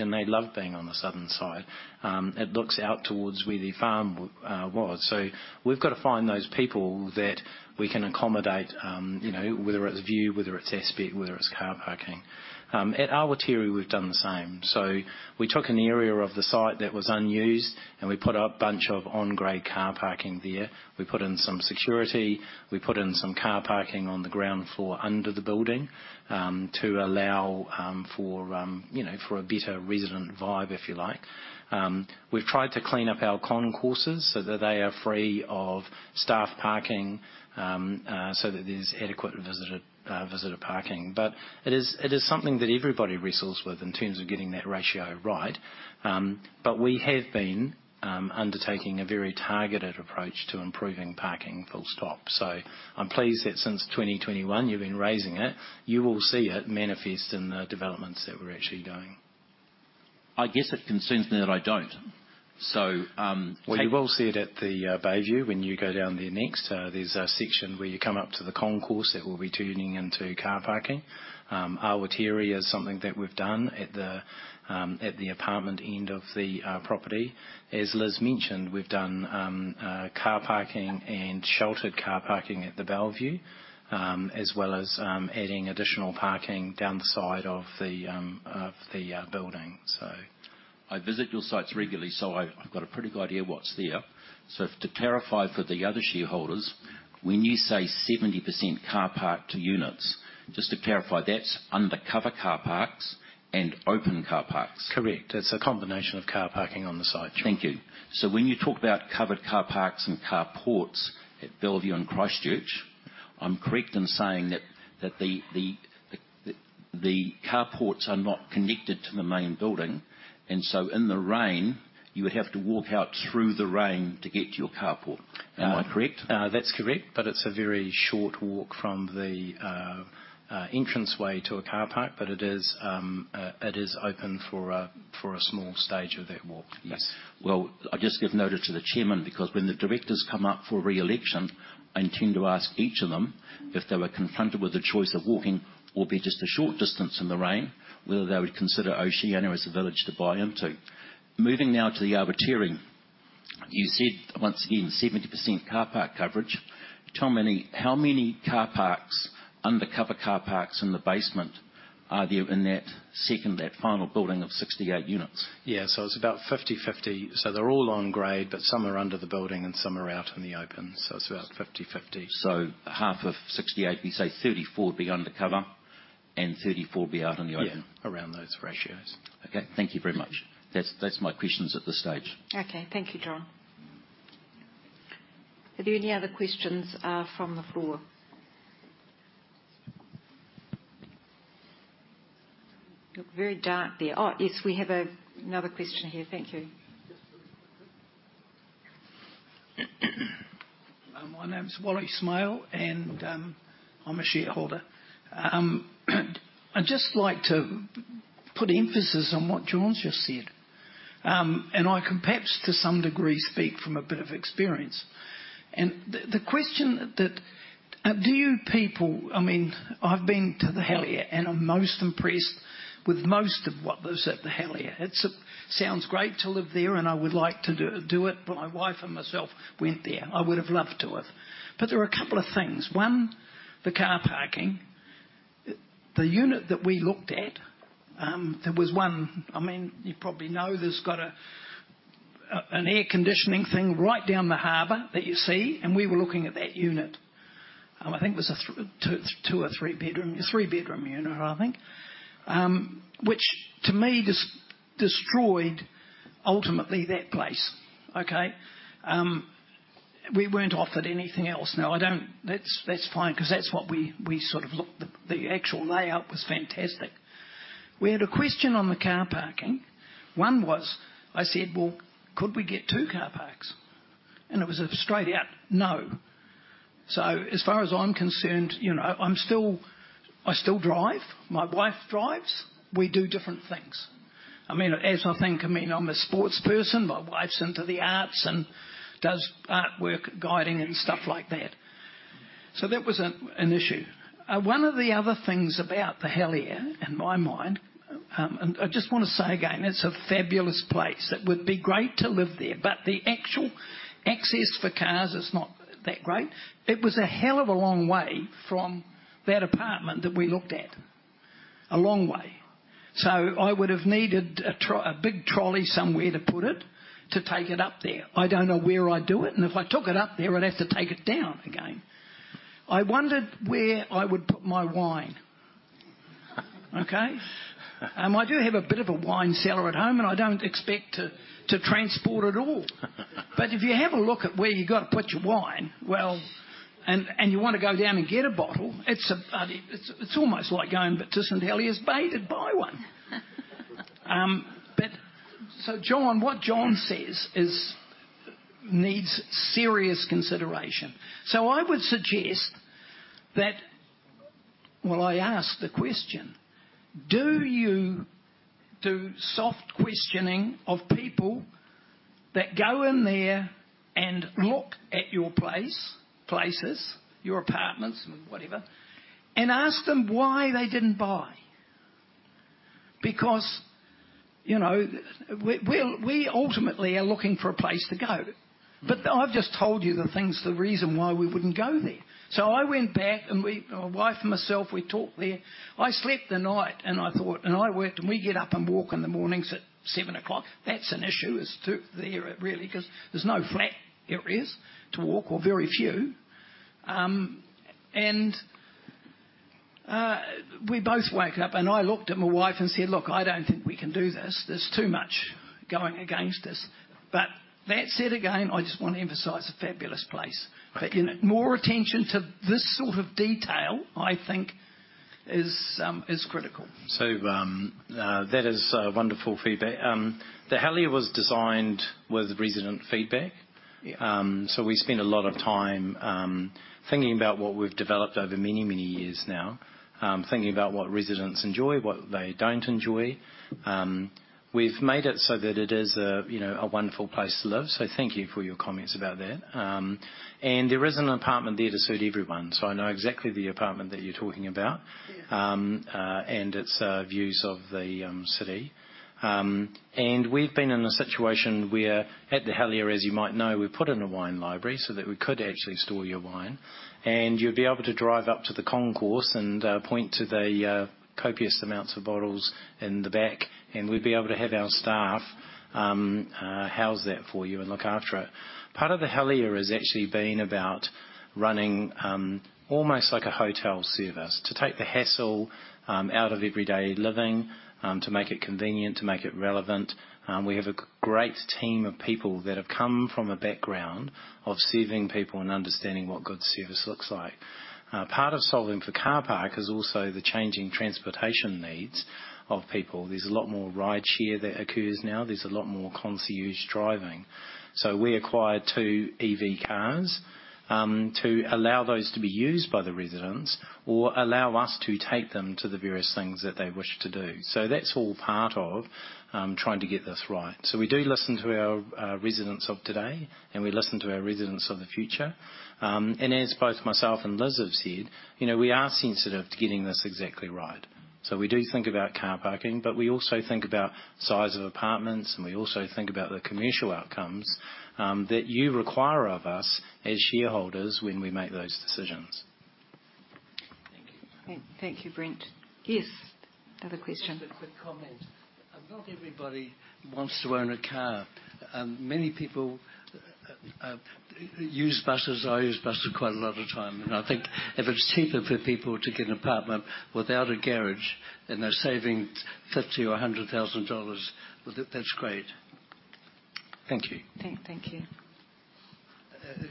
and they love being on the southern side. It looks out towards where their farm was. So we've got to find those people that we can accommodate, whether it's view, whether it's aspect, whether it's car parking. At Awatere, we've done the same. So we took an area of the site that was unused, and we put a bunch of on-grade car parking there. We put in some security. We put in some car parking on the ground floor under the building to allow for a better resident vibe, if you like. We've tried to clean up our concourses so that they are free of staff parking so that there's adequate visitor parking. But it is something that everybody wrestles with in terms of getting that ratio right. But we have been undertaking a very targeted approach to improving parking. Full stop. So I'm pleased that since 2021, you've been raising it. You will see it manifest in the developments that we're actually doing. I guess it concerns me that I don't. So we will see it at the Bayfair. When you go down there next, there's a section where you come up to the concourse that will be turning into car parking. Awatere is something that we've done at the apartment end of the property. As Liz mentioned, we've done car parking and sheltered car parking at the Bayfair, as well as adding additional parking down the side of the building. So I visit your sites regularly, so I've got a pretty good idea of what's there. So to clarify for the other shareholders, when you say 70% car park to units, just to clarify, that's undercover car parks and open car parks. Correct. It's a combination of car parking on the site. Thank you. So when you talk about covered car parks and carports at Bayfair and Christchurch, I'm correct in saying that the carports are not connected to the main building. And so in the rain, you would have to walk out through the rain to get to your carport. Am I correct? That's correct, but it's a very short walk from the entranceway to a car park. But it is open for a small stage of that walk. Yes. Well, I'll just give notice to the chairman because when the directors come up for re-election, I intend to ask each of them, if they were confronted with the choice of walking, albeit just a short distance in the rain, whether they would consider Oceania as a village to buy into. Moving now to The Awatere, you said, once again, 70% car park coverage. Tell me, how many car parks, undercover car parks in the basement, are there in that second, that final building of 68 units? Yeah. So it's about 50/50. So they're all on-grade, but some are under the building and some are out in the open. So it's about 50/50. So half of 68, you say 34 would be undercover and 34 would be out in the open? Yeah. Around those ratios. Okay. Thank you very much. That's my questions at this stage. Okay. Thank you, John. Are there any other questions from the floor? Look very dark there. Oh, yes, we have another question here. Thank you. My name's Wally Smale, and I'm a shareholder. I'd just like to put emphasis on what John's just said. And I can perhaps, to some degree, speak from a bit of experience. The question that do you people I mean, I've been to The Helier, and I'm most impressed with most of what there's at The Helier. It sounds great to live there, and I would like to do it, but my wife and myself went there. I would have loved to have. But there are a couple of things. One, the car parking. The unit that we looked at, there was one I mean, you probably know there's got an air conditioning thing right down the harbor that you see, and we were looking at that unit. I think it was a 2- or 3-bedroom 3-bedroom unit, I think, which, to me, destroyed ultimately that place. Okay? We weren't offered anything else. Now, I don't that's fine because that's what we sort of looked the actual layout was fantastic. We had a question on the car parking. One was, I said, "Well, could we get two car parks?" And it was a straight-out, "No." So as far as I'm concerned, I still drive. My wife drives. We do different things. I mean, as I think, I mean, I'm a sports person. My wife's into the arts and does artwork, guiding, and stuff like that. So that was an issue. One of the other things about The Helier, in my mind, and I just want to say again, it's a fabulous place. It would be great to live there, but the actual access for cars is not that great. It was a hell of a long way from that apartment that we looked at. A long way. So I would have needed a big trolley somewhere to put it to take it up there. I don't know where I'd do it. And if I took it up there, I'd have to take it down again. I wondered where I would put my wine. Okay? I do have a bit of a wine cellar at home, and I don't expect to transport it all. But if you have a look at where you've got to put your wine, well, and you want to go down and get a bottle, it's almost like going, "But to St Heliers Bay to buy one." But so John, what John says needs serious consideration. So I would suggest that, well, I ask the question, do you do soft questioning of people that go in there and look at your place, places, your apartments, whatever, and ask them why they didn't buy? Because we ultimately are looking for a place to go. But I've just told you the things, the reason why we wouldn't go there. So I went back, and my wife and myself, we talked there. I slept the night, and I thought, and I worked, and we get up and walk in the mornings at 7:00 A.M. That's an issue there, really, because there's no flat areas to walk, or very few. And we both woke up, and I looked at my wife and said, "Look, I don't think we can do this. There's too much going against us." But that said, again, I just want to emphasize a fabulous place. But more attention to this sort of detail, I think, is critical. So that is wonderful feedback. The Helier was designed with resident feedback. So we spent a lot of time thinking about what we've developed over many, many years now, thinking about what residents enjoy, what they don't enjoy. We've made it so that it is a wonderful place to live. So thank you for your comments about that. There is an apartment there to suit everyone. So I know exactly the apartment that you're talking about, and its views of the city. We've been in a situation where, at The Helier, as you might know, we put in a wine library so that we could actually store your wine. And you'd be able to drive up to the concourse and point to the copious amounts of bottles in the back, and we'd be able to have our staff house that for you and look after it. Part of The Helier has actually been about running almost like a hotel service to take the hassle out of everyday living, to make it convenient, to make it relevant. We have a great team of people that have come from a background of serving people and understanding what good service looks like. Part of solving for car park is also the changing transportation needs of people. There's a lot more rideshare that occurs now. There's a lot more concierge driving. So we acquired two EV cars to allow those to be used by the residents or allow us to take them to the various things that they wish to do. So that's all part of trying to get this right. So we do listen to our residents of today, and we listen to our residents of the future. As both myself and Liz have said, we are sensitive to getting this exactly right. So we do think about car parking, but we also think about the size of apartments, and we also think about the commercial outcomes that you require of us as shareholders when we make those decisions. Thank you. Thank you, Brent. Yes, another question. Just a quick comment. Not everybody wants to own a car. Many people use buses. I use buses quite a lot of time. And I think if it's cheaper for people to get an apartment without a garage and they're saving 50 thousand or 100 thousand dollars, That's great. Thank you. Thank you.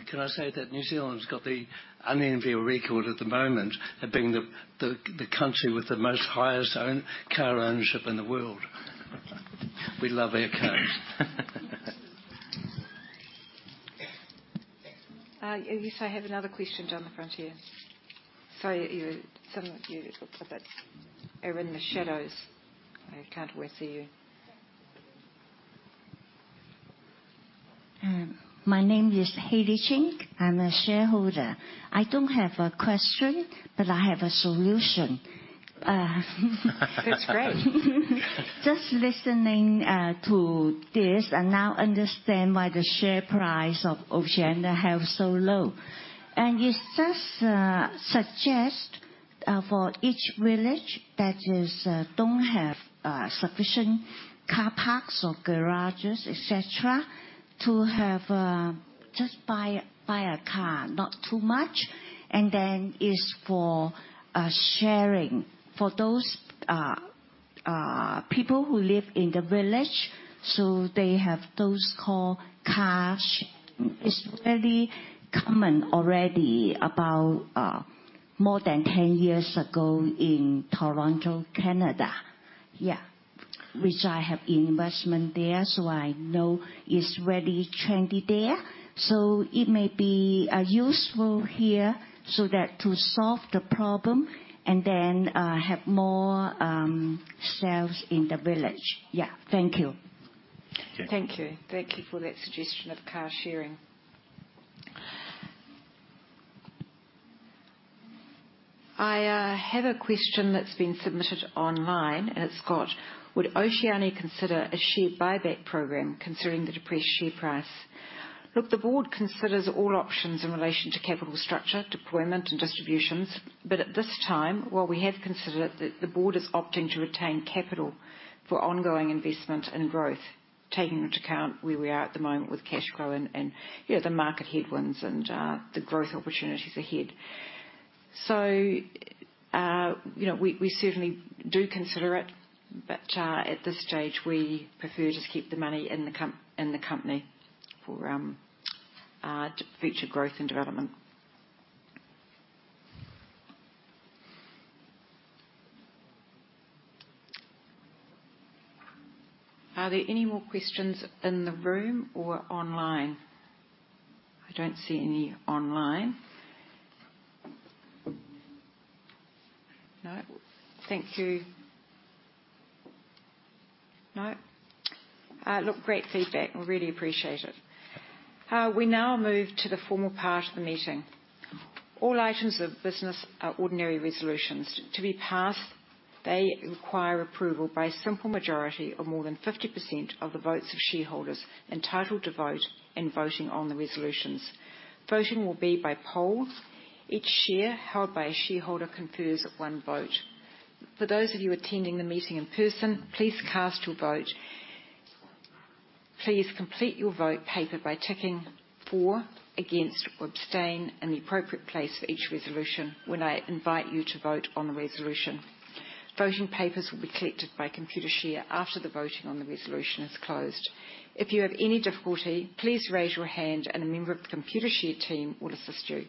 Can I say that New Zealand's got the unenviable record at the moment of being the country with the most highest car ownership in the world? We love our cars. Yes, I have another question down the front here. Sorry, some of you are in the shadows. I can't always see you. My name is Haley Ching. I'm a shareholder. I don't have a question, but I have a solution. That's great. Just listening to this, I now understand why the share price of Oceania has held so low. I just suggest for each village that doesn't have sufficient car parks or garages, etc., to just buy a car, not too many. Then it's for sharing for those people who live in the village. So they have those cars. It's very common already about more than 10 years ago in Toronto, Canada. Yeah, which I have investment there, so I know it's very trendy there. So it may be useful here to solve the problem and then have more sales in the village. Yeah. Thank you. Thank you. Thank you for that suggestion of car sharing. I have a question that's been submitted online, and it's got, "Would Oceania consider a share buyback program considering the depressed share price?" Look, the board considers all options in relation to capital structure, deployment, and distributions. But at this time, while we have considered it, the board is opting to retain capital for ongoing investment and growth, taking into account where we are at the moment with cash growing and the market headwinds and the growth opportunities ahead. So we certainly do consider it, but at this stage, we prefer to just keep the money in the company for future growth and development. Are there any more questions in the room or online? I don't see any online. No. Thank you. No. Look, great feedback. We really appreciate it. We now move to the formal part of the meeting. All items of business are ordinary resolutions. To be passed, they require approval by a simple majority of more than 50% of the votes of shareholders entitled to vote in voting on the resolutions. Voting will be by polls. Each share held by a shareholder confers one vote. For those of you attending the meeting in person, please cast your vote. Please complete your vote paper by ticking for, against, or abstain in the appropriate place for each resolution when I invite you to vote on the resolution. Voting papers will be collected by Computershare after the voting on the resolution is closed. If you have any difficulty, please raise your hand, and a member of the Computershare team will assist you.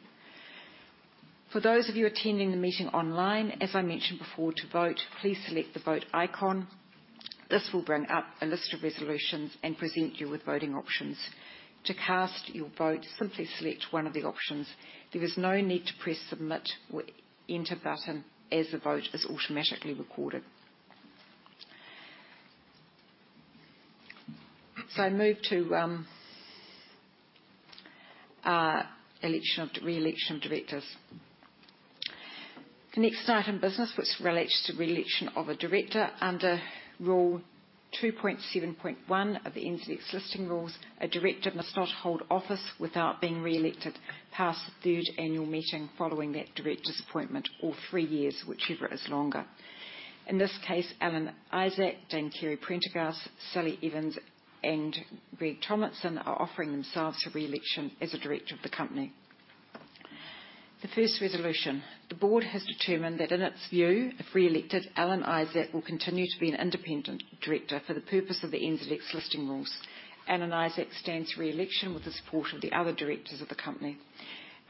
For those of you attending the meeting online, as I mentioned before, to vote, please select the vote icon. This will bring up a list of resolutions and present you with voting options. To cast your vote, simply select one of the options. There is no need to press submit or enter button as the vote is automatically recorded. So I move to re-election of directors. The next item in business, which relates to re-election of a director under rule 2.7.1 of the NZX Listing Rules, a director must not hold office without being re-elected past the third annual meeting following that director's appointment or three years, whichever is longer. In this case, Alan Isaac, Dame Kerry Prendergast, Sally Evans, and Greg Tomlinson are offering themselves for re-election as a director of the company. The first resolution. The board has determined that in its view, if re-elected, Alan Isaac will continue to be an independent director for the purpose of the NZX Listing Rules. Alan Isaac stands for re-election with the support of the other directors of the company.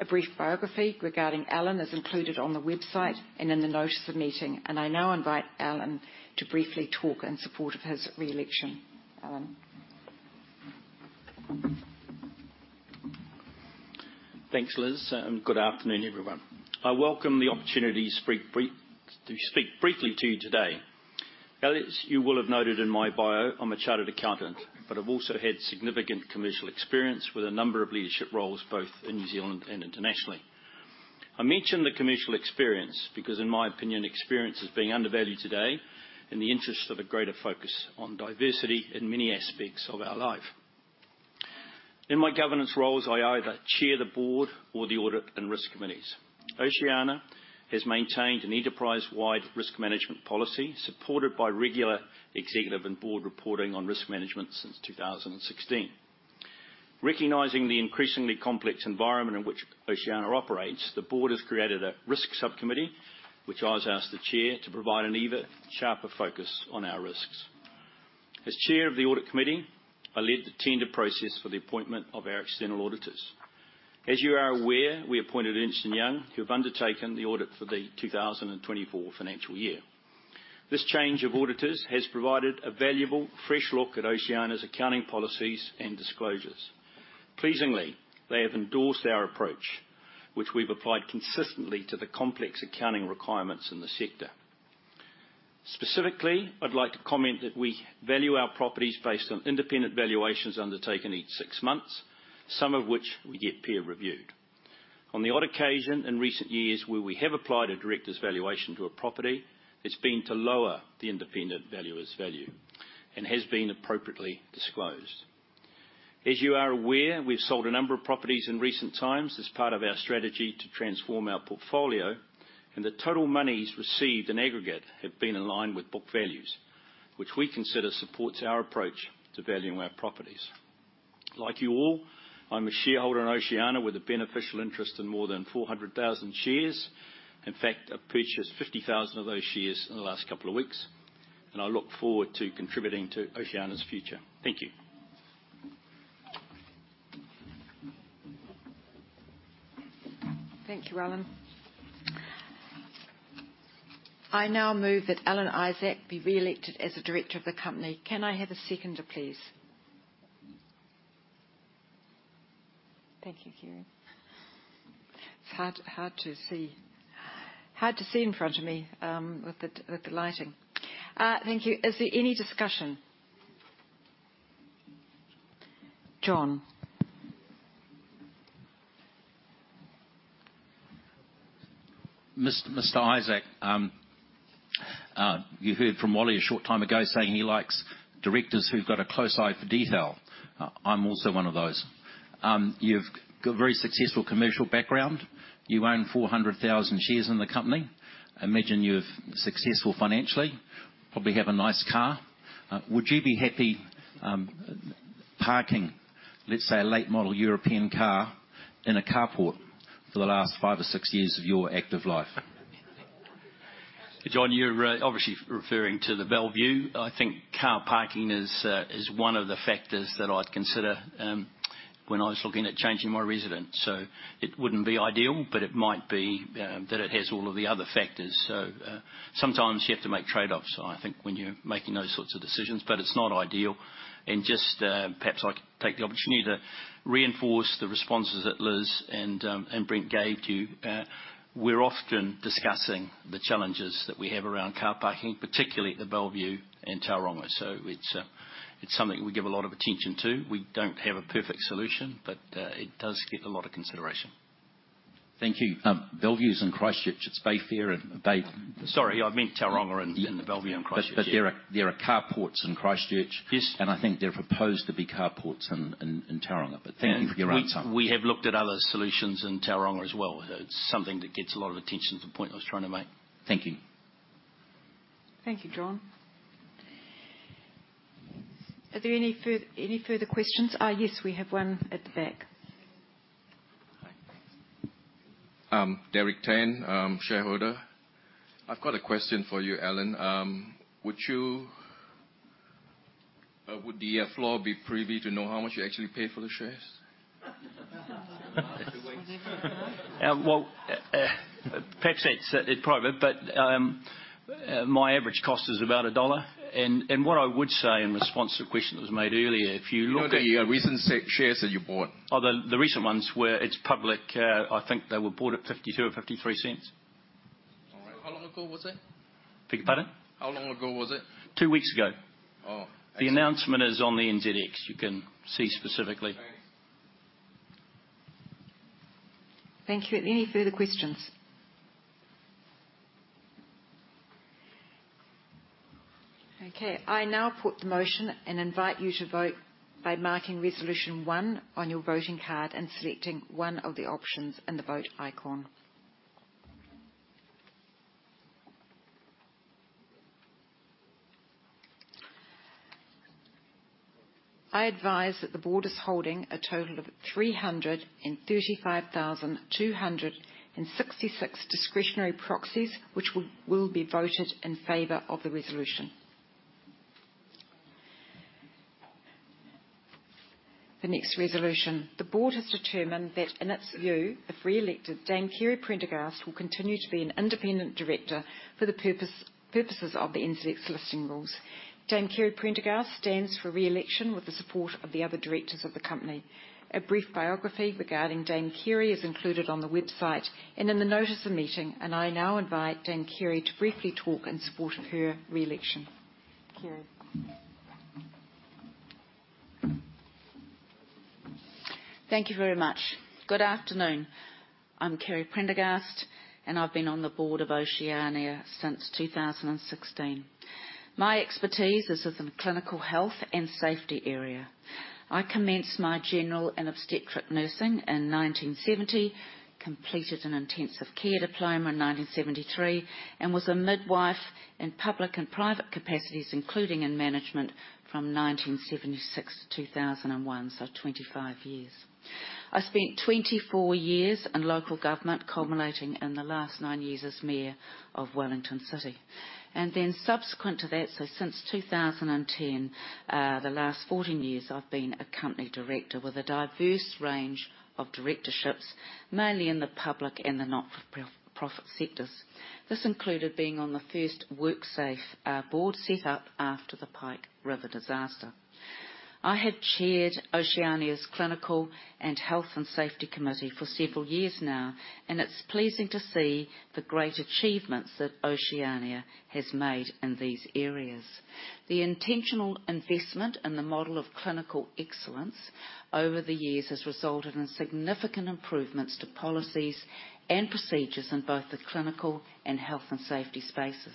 A brief biography regarding Alan is included on the website and in the notice of meeting. I now invite Alan to briefly talk in support of his re-election. Alan. Thanks, Liz. Good afternoon, everyone. I welcome the opportunity to speak briefly to you today. As you will have noted in my bio, I'm a chartered accountant, but I've also had significant commercial experience with a number of leadership roles, both in New Zealand and internationally. I mention the commercial experience because, in my opinion, experience is being undervalued today in the interest of a greater focus on diversity in many aspects of our life. In my governance roles, I either chair the board or the audit and risk committees. Oceania has maintained an enterprise-wide risk management policy supported by regular executive and board reporting on risk management since 2016. Recognizing the increasingly complex environment in which Oceania operates, the board has created a Risk Subcommittee, which I've asked the chair to provide an even sharper focus on our risks. As chair of the Audit Committee, I led the tender process for the appointment of our external auditors. As you are aware, we appointed Ernst & Young, who have undertaken the audit for the 2024 financial year. This change of auditors has provided a valuable, fresh look at Oceania's accounting policies and disclosures. Pleasingly, they have endorsed our approach, which we've applied consistently to the complex accounting requirements in the sector. Specifically, I'd like to comment that we value our properties based on independent valuations undertaken each six months, some of which we get peer-reviewed. On the odd occasion in recent years where we have applied a director's valuation to a property, it's been to lower the independent valuer's value and has been appropriately disclosed. As you are aware, we've sold a number of properties in recent times as part of our strategy to transform our portfolio, and the total monies received in aggregate have been in line with book values, which we consider supports our approach to valuing our properties. Like you all, I'm a shareholder in Oceania with a beneficial interest in more than 400,000 shares. In fact, I've purchased 50,000 of those shares in the last couple of weeks, and I look forward to contributing to Oceania's future. Thank you. Thank you, Alan. I now move that Alan Isaac be re-elected as a director of the company. Can I have a seconder, please? Thank you, Kieran. It's hard to see. Hard to see in front of me with the lighting. Thank you. Is there any discussion? John. Mr. Isaac, you heard from Wally a short time ago saying he likes directors who've got a close eye for detail. I'm also one of those. You have a very successful commercial background. You own 400,000 shares in the company. I imagine you're successful financially, probably have a nice car. Would you be happy parking, let's say, a late-model European car in a carport for the last five or six years of your active life? John, you're obviously referring to the value. I think car parking is one of the factors that I'd consider when I was looking at changing my residence. So it wouldn't be ideal, but it might be that it has all of the other factors. So sometimes you have to make trade-offs, I think, when you're making those sorts of decisions. But it's not ideal. And just perhaps I could take the opportunity to reinforce the responses that Liz and Brent gave to you. We're often discussing the challenges that we have around car parking, particularly at The Bellevue and Tauranga. So it's something we give a lot of attention to. We don't have a perfect solution, but it does get a lot of consideration. Thank you. The Bellevue's in Christchurch. It's Bayfair and Bay. Sorry, I meant Tauranga and The Bellevue and Christchurch. But there are carports in Christchurch. And I think they're proposed to be carports in Tauranga. But thank you for your answer. We have looked at other solutions in Tauranga as well. It's something that gets a lot of attention, the point I was trying to make. Thank you. Thank you, John. Are there any further questions? Yes, we have one at the back. Derek Tan, shareholder. I've got a question for you, Alan. Would the floor be privy to know how much you actually pay for the shares? Well, perhaps it's private, but my average cost is about NZD 1. And what I would say in response to the question that was made earlier, if you look at the. What are the recent shares that you bought? The recent ones were public. I think they were bought at 0.52 or 0.53. All right. How long ago was that? Pick a button. How long ago was it? Two weeks ago. The announcement is on the NZX. You can see specifically. Thank you. Are there any further questions? Okay. I now put the motion and invite you to vote by marking Resolution 1 on your voting card and selecting one of the options in the vote icon. I advise that the board is holding a total of 335,266 discretionary proxies, which will be voted in favor of the resolution. The next resolution. The board has determined that in its view, the re-elected Dame Kerry Prendergast will continue to be an independent director for the purposes of the NZX Listing Rules. Dame Kerry Prendergast stands for re-election with the support of the other directors of the company. A brief biography regarding Dame Kerry is included on the website and in the notice of meeting. I now invite Dame Kerry to briefly talk in support of her re-election. Thank you. Thank you very much. Good afternoon. I'm Kerry Prendergast, and I've been on the board of Oceania since 2016. My expertise is in the clinical health and safety area. I commenced my general and obstetric nursing in 1970, completed an intensive care diploma in 1973, and was a midwife in public and private capacities, including in management, from 1976 to 2001, so 25 years. I spent 24 years in local government, culminating in the last nine years as mayor of Wellington City. And then subsequent to that, so since 2010, the last 14 years, I've been a company director with a diverse range of directorships, mainly in the public and the not-for-profit sectors. This included being on the first WorkSafe board set up after the Pike River disaster. I have chaired Oceania's Clinical and Health and Safety Committee for several years now, and it's pleasing to see the great achievements that Oceania has made in these areas. The intentional investment in the model of clinical excellence over the years has resulted in significant improvements to policies and procedures in both the clinical and health and safety spaces.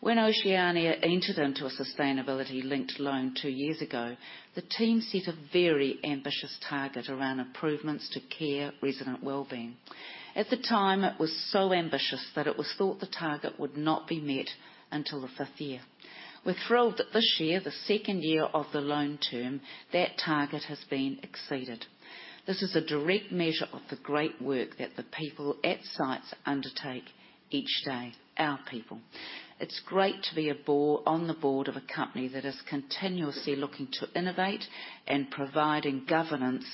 When Oceania entered into a sustainability-linked loan two years ago, the team set a very ambitious target around improvements to care resident well-being. At the time, it was so ambitious that it was thought the target would not be met until the fifth year. We're thrilled that this year, the second year of the loan term, that target has been exceeded. This is a direct measure of the great work that the people at sites undertake each day, our people. It's great to be on the board of a company that is continuously looking to innovate and providing governance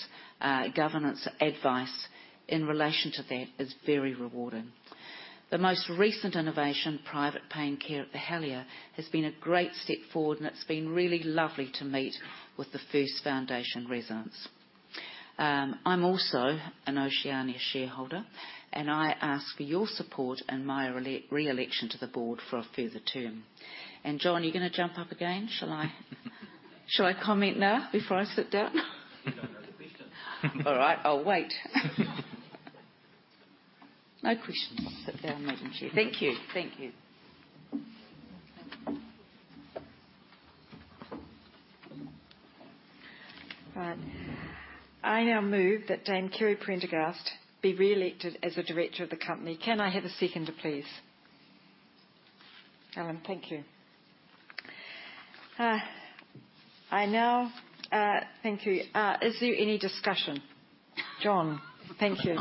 advice in relation to that is very rewarding. The most recent innovation, private care at The Helier, has been a great step forward, and it's been really lovely to meet with the first foundation residents. I'm also an Oceania shareholder, and I ask for your support in my re-election to the board for a further term. And John, you're going to jump up again? Shall I comment now before I sit down? All right. I'll wait. No questions. Sit down, Madam Chair. Thank you. Thank you. All right. I now move that Dame Kerry Prendergast be re-elected as a director of the company. Can I have a seconder, please? Alan, thank you. Thank you. Is there any discussion? John, thank you.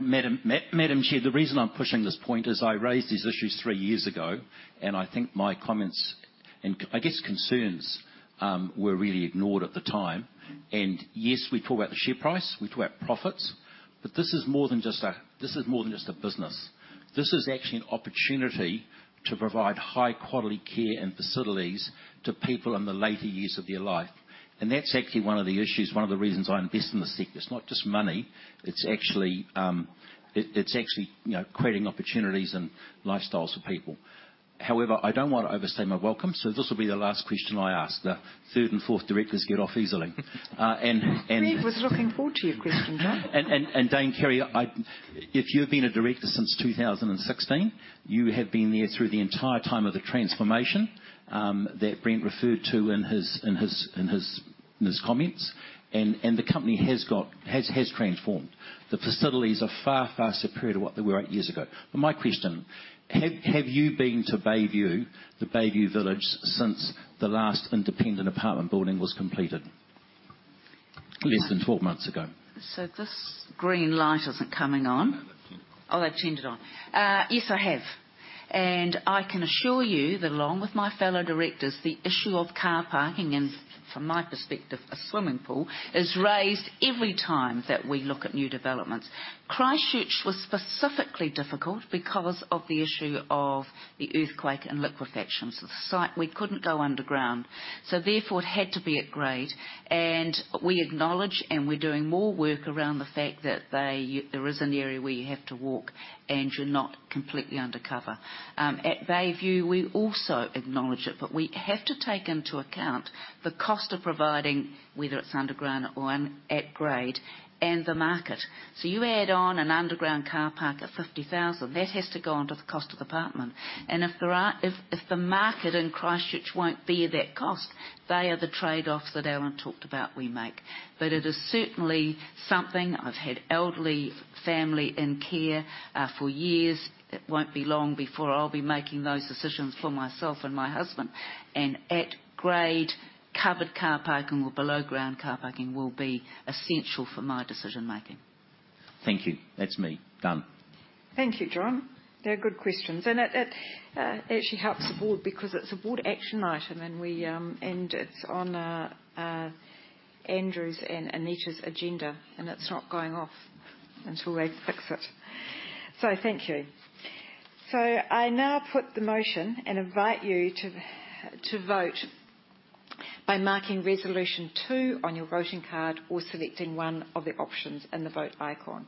Madam Chair, the reason I'm pushing this point is I raised these issues three years ago, and I think my comments and, I guess, concerns were really ignored at the time. And yes, we talk about the share price, we talk about profits, but this is more than just a this is more than just a business. This is actually an opportunity to provide high-quality care and facilities to people in the later years of their life. And that's actually one of the issues, one of the reasons I invest in the sector. It's not just money. It's actually creating opportunities and lifestyles for people. However, I don't want to overstay my welcome, so this will be the last question I ask. The third and fourth directors get off easily. Was looking forward to your question, John. And Dame Kerry, if you've been a director since 2016, you have been there through the entire time of the transformation that Brent referred to in his comments, and the company has transformed. The facilities are far, far superior to what they were eight years ago. But my question, have you been to Bayfair, The BayView, since the last independent apartment building was completed less than 12 months ago? So this green light isn't coming on. Oh, they've turned it on. Yes, I have. And I can assure you that along with my fellow directors, the issue of car parking and, from my perspective, a swimming pool, is raised every time that we look at new developments. Christchurch was specifically difficult because of the issue of the earthquake and liquefaction. So the site, we couldn't go underground. So therefore, it had to be upgraded. And we acknowledge and we're doing more work around the fact that there is an area where you have to walk and you're not completely undercover. At Bayfair, we also acknowledge it, but we have to take into account the cost of providing, whether it's underground or upgraded, and the market. So you add on an underground car park at 50,000, that has to go onto the cost of the apartment. If the market in Christchurch won't be at that cost, there are the trade-offs that Alan talked about we make. But it is certainly something I've had elderly family in care for years. It won't be long before I'll be making those decisions for myself and my husband. Upgraded covered car parking or below-ground car parking will be essential for my decision-making. Thank you. That's me. Done. Thank you, John. They're good questions. It actually helps the board because it's a board action item, and it's on Andrew's and Anita's agenda, and it's not going off until they fix it. So thank you. So I now put the motion and invite you to vote by marking Resolution 2 on your voting card or selecting one of the options in the vote icon.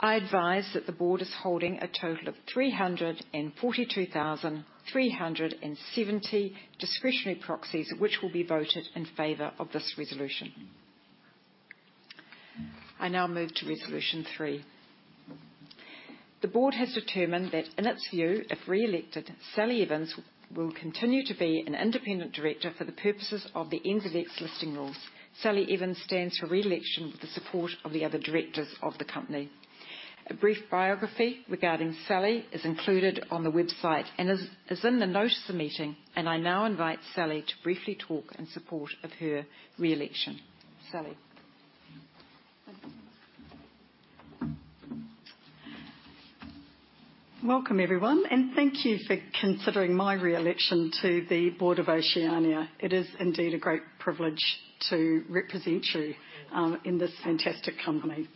I advise that the board is holding a total of 342,370 discretionary proxies, which will be voted in favor of this resolution. I now move to Resolution 3. The board has determined that in its view, if re-elected, Sally Evans will continue to be an independent director for the purposes of the NZX Listing Rules. Sally Evans stands for re-election with the support of the other directors of the company. A brief biography regarding Sally is included on the website and is in the notice of meeting, and I now invite Sally to briefly talk in support of her re-election. Sally. Welcome, everyone, and thank you for considering my re-election to the board of Oceania. It is indeed a great privilege to represent you in this fantastic company.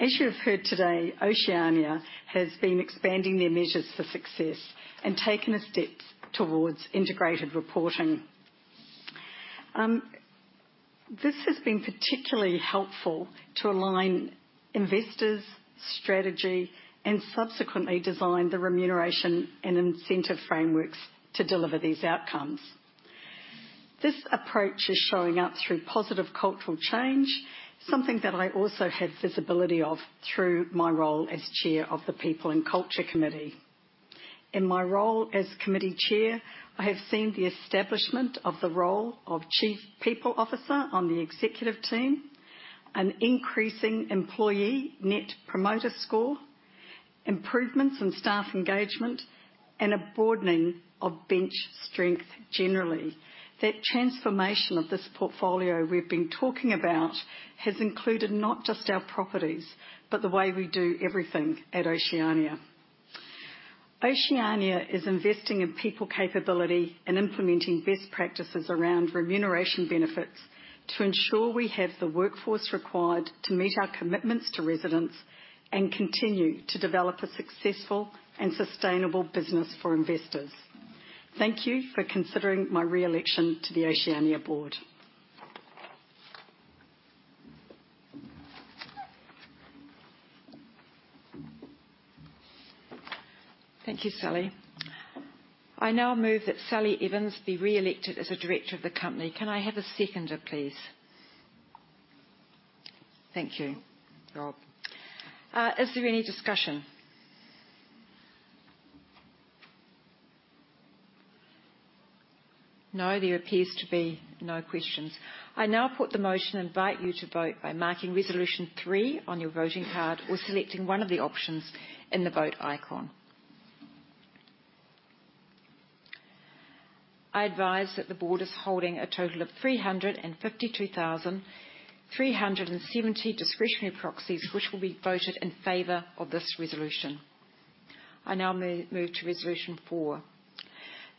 As you have heard today, Oceania has been expanding their measures for success and taken a step towards Integrated Reporting. This has been particularly helpful to align investors' strategy and subsequently design the remuneration and incentive frameworks to deliver these outcomes. This approach is showing up through positive cultural change, something that I also had visibility of through my role as chair of the People and Culture Committee. In my role as committee chair, I have seen the establishment of the role of Chief People Officer on the executive team, an increasing Employee Net Promoter Score, improvements in staff engagement, and a broadening of bench strength generally. That transformation of this portfolio we've been talking about has included not just our properties, but the way we do everything at Oceania. Oceania is investing in people capability and implementing best practices around remuneration benefits to ensure we have the workforce required to meet our commitments to residents and continue to develop a successful and sustainable business for investors. Thank you for considering my re-election to the Oceania board. Thank you, Sally. I now move that Sally Evans be re-elected as a director of the company. Can I have a seconder, please? Thank you. Is there any discussion? No, there appears to be no questions. I now put the motion and invite you to vote by marking Resolution 3 on your voting card or selecting one of the options in the vote icon. I advise that the board is holding a total of 352,370 discretionary proxies, which will be voted in favor of this resolution. I now move to Resolution 4.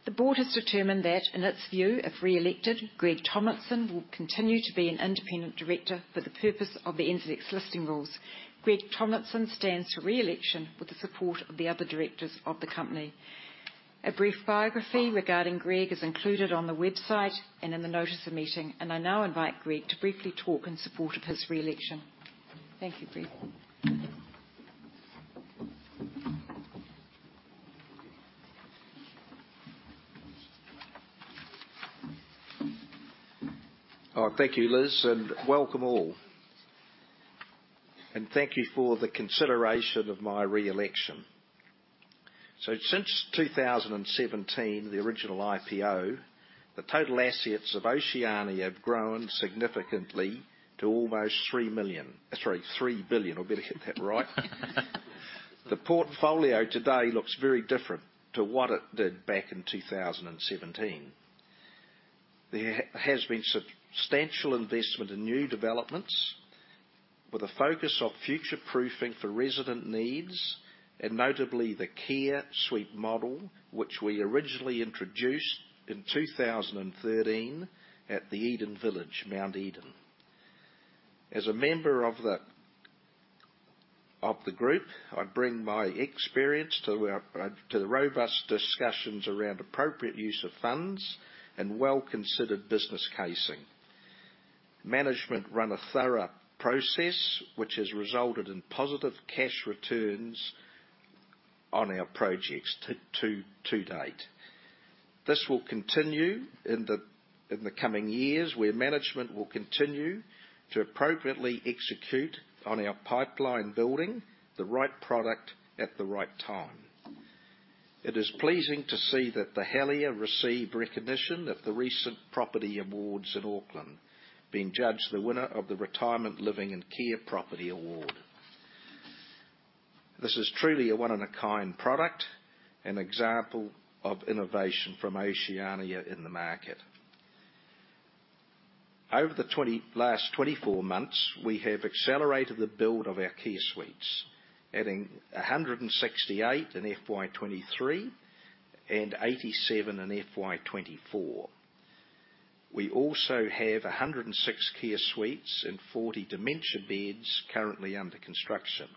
The board has determined that in its view, if re-elected, Greg Tomlinson will continue to be an independent director for the purpose of the NZX Listing Rules. Greg Tomlinson stands for re-election with the support of the other directors of the company. A brief biography regarding Greg is included on the website and in the notice of meeting, and I now invite Greg to briefly talk in support of his re-election. Thank you, Greg. Thank you, Liz, and welcome all. Thank you for the consideration of my re-election. So since 2017, the original IPO, the total assets of Oceania have grown significantly to almost 3 million. Sorry, 3 billion. I better get that right. The portfolio today looks very different to what it did back in 2017. There has been substantial investment in new developments with a focus on future-proofing for resident needs and notably the care suite model, which we originally introduced in 2013 at the Eden Village, Mount Eden. As a member of the group, I bring my experience to the robust discussions around appropriate use of funds and well-considered business case. Management ran a thorough process which has resulted in positive cash returns on our projects to date. This will continue in the coming years where management will continue to appropriately execute on our pipeline building, the right product at the right time. It is pleasing to see that The Helier received recognition at the recent property awards in Auckland, being judged the winner of the Retirement Living and Care Property Award. This is truly a one-of-a-kind product, an example of innovation from Oceania in the market. Over the last 24 months, we have accelerated the build of our care suites, adding 168 in FY23 and 87 in FY24. We also have 106 care suites and 40 dementia beds currently under construction,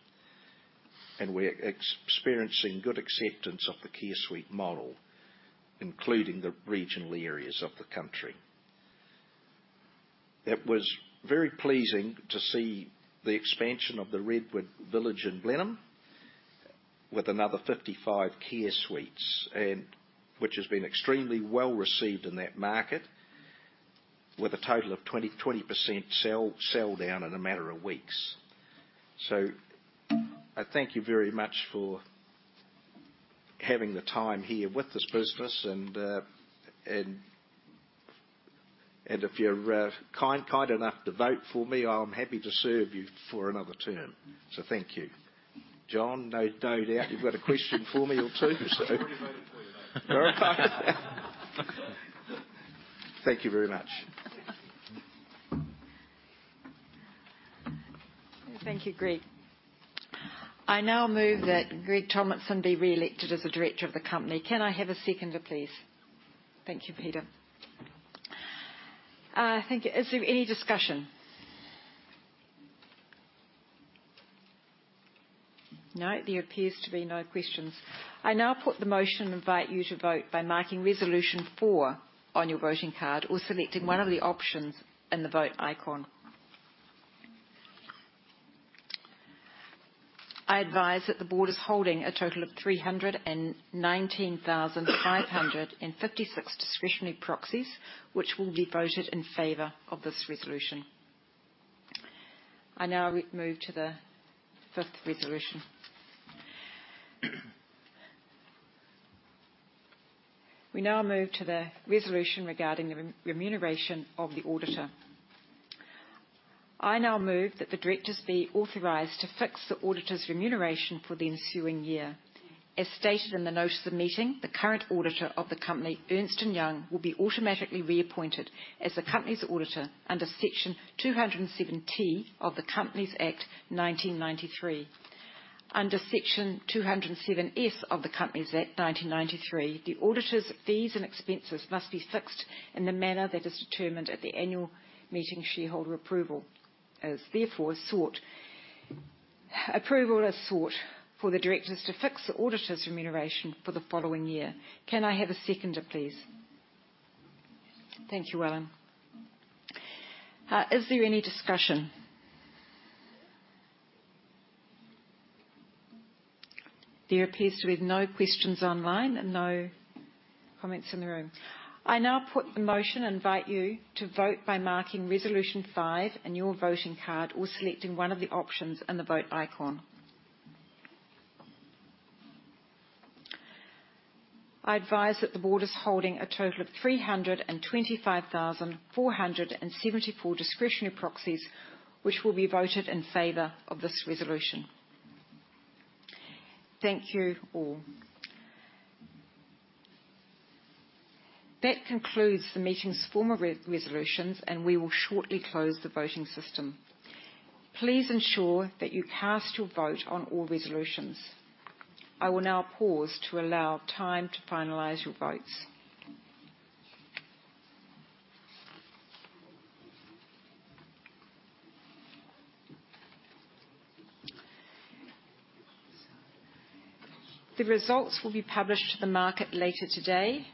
and we're experiencing good acceptance of the care suite model, including the regional areas of the country. It was very pleasing to see the expansion of the Redwood Village in Blenheim with another 55 care suites, which has been extremely well received in that market, with a total of 20% sell-down in a matter of weeks. So I thank you very much for having the time here with this business, and if you're kind enough to vote for me, I'm happy to serve you for another term. So thank you. John, no doubt you've got a question for me or two, so. Thank you very much. Thank you, Greg. I now move that Greg Tomlinson be re-elected as a director of the company. Can I have a seconder, please? Thank you, Peter. Is there any discussion? No, there appears to be no questions. I now put the motion and invite you to vote by marking Resolution 4 on your voting card or selecting one of the options in the vote icon. I advise that the board is holding a total of 319,556 discretionary proxies, which will be voted in favour of this resolution. I now move to the fifth resolution. We now move to the resolution regarding the remuneration of the auditor. I now move that the directors be authorised to fix the auditor's remuneration for the ensuing year. As stated in the notice of meeting, the current auditor of the company, Ernst & Young, will be automatically reappointed as the company's auditor under Section 207T of the Companies Act 1993. Under Section 207S of the Companies Act 1993, the auditor's fees and expenses must be fixed in the manner that is determined at the annual meeting shareholder approval. Therefore, approval is sought for the directors to fix the auditor's remuneration for the following year. Can I have a seconder, please? Thank you, Alan. Is there any discussion? There appears to be no questions online and no comments in the room. I now put the motion and invite you to vote by marking Resolution 5 on your voting card or selecting one of the options in the vote icon. I advise that the board is holding a total of 325,474 discretionary proxies, which will be voted in favor of this resolution. Thank you all. That concludes the meeting's formal resolutions, and we will shortly close the voting system. Please ensure that you cast your vote on all resolutions. I will now pause to allow time to finalize your votes. The results will be published to the market later today.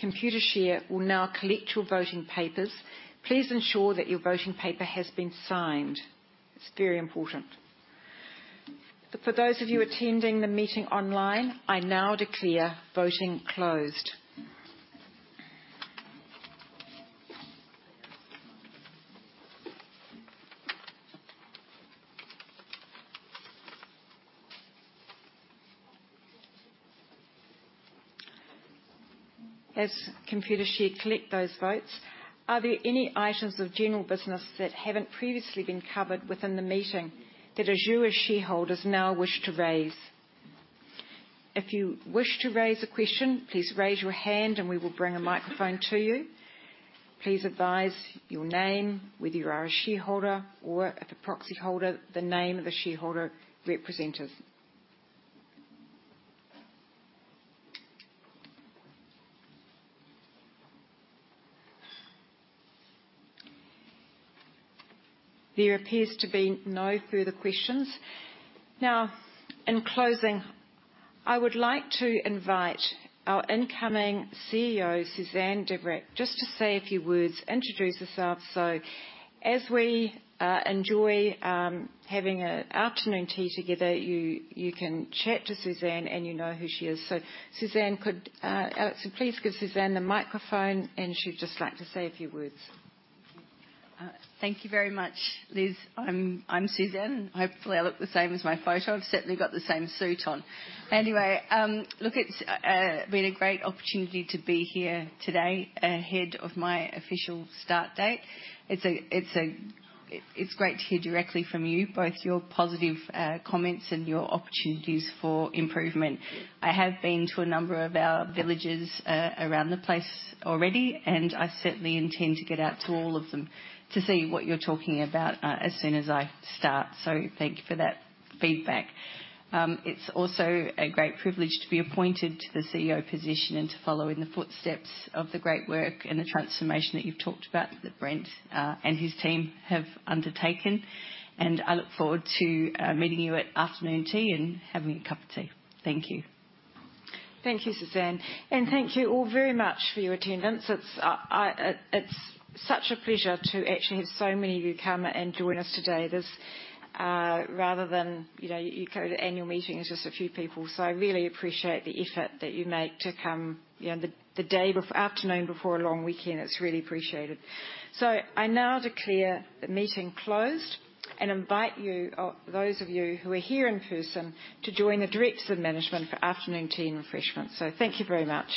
Computershare will now collect your voting papers. Please ensure that your voting paper has been signed. It's very important. For those of you attending the meeting online, I now declare voting closed. As Computershare collects those votes, are there any items of general business that haven't previously been covered within the meeting that our shareholders now wish to raise? If you wish to raise a question, please raise your hand and we will bring a microphone to you. Please advise your name whether you are a shareholder or, if a proxy holder, the name of the shareholder representative. There appears to be no further questions. Now, in closing, I would like to invite our incoming CEO, Suzanne Dvorak, just to say a few words, introduce herself. So as we enjoy having an afternoon tea together, you can chat to Suzanne and you know who she is. So please give Suzanne the microphone, and she'd just like to say a few words. Thank you very much, Liz. I'm Suzanne. Hopefully, I look the same as my photo. I've certainly got the same suit on. Anyway, look, it's been a great opportunity to be here today ahead of my official start date. It's great to hear directly from you, both your positive comments and your opportunities for improvement. I have been to a number of our villages around the place already, and I certainly intend to get out to all of them to see what you're talking about as soon as I start. So thank you for that feedback. It's also a great privilege to be appointed to the CEO position and to follow in the footsteps of the great work and the transformation that you've talked about that Brent and his team have undertaken. And I look forward to meeting you at afternoon tea and having a cup of tea. Thank you. Thank you, Suzanne. And thank you all very much for your attendance. It's such a pleasure to actually have so many of you come and join us today. Rather than you go to annual meetings, it's just a few people. I really appreciate the effort that you make to come the day afternoon before a long weekend. It's really appreciated. I now declare the meeting closed and invite those of you who are here in person to join the directors of management for afternoon tea and refreshments. Thank you very much.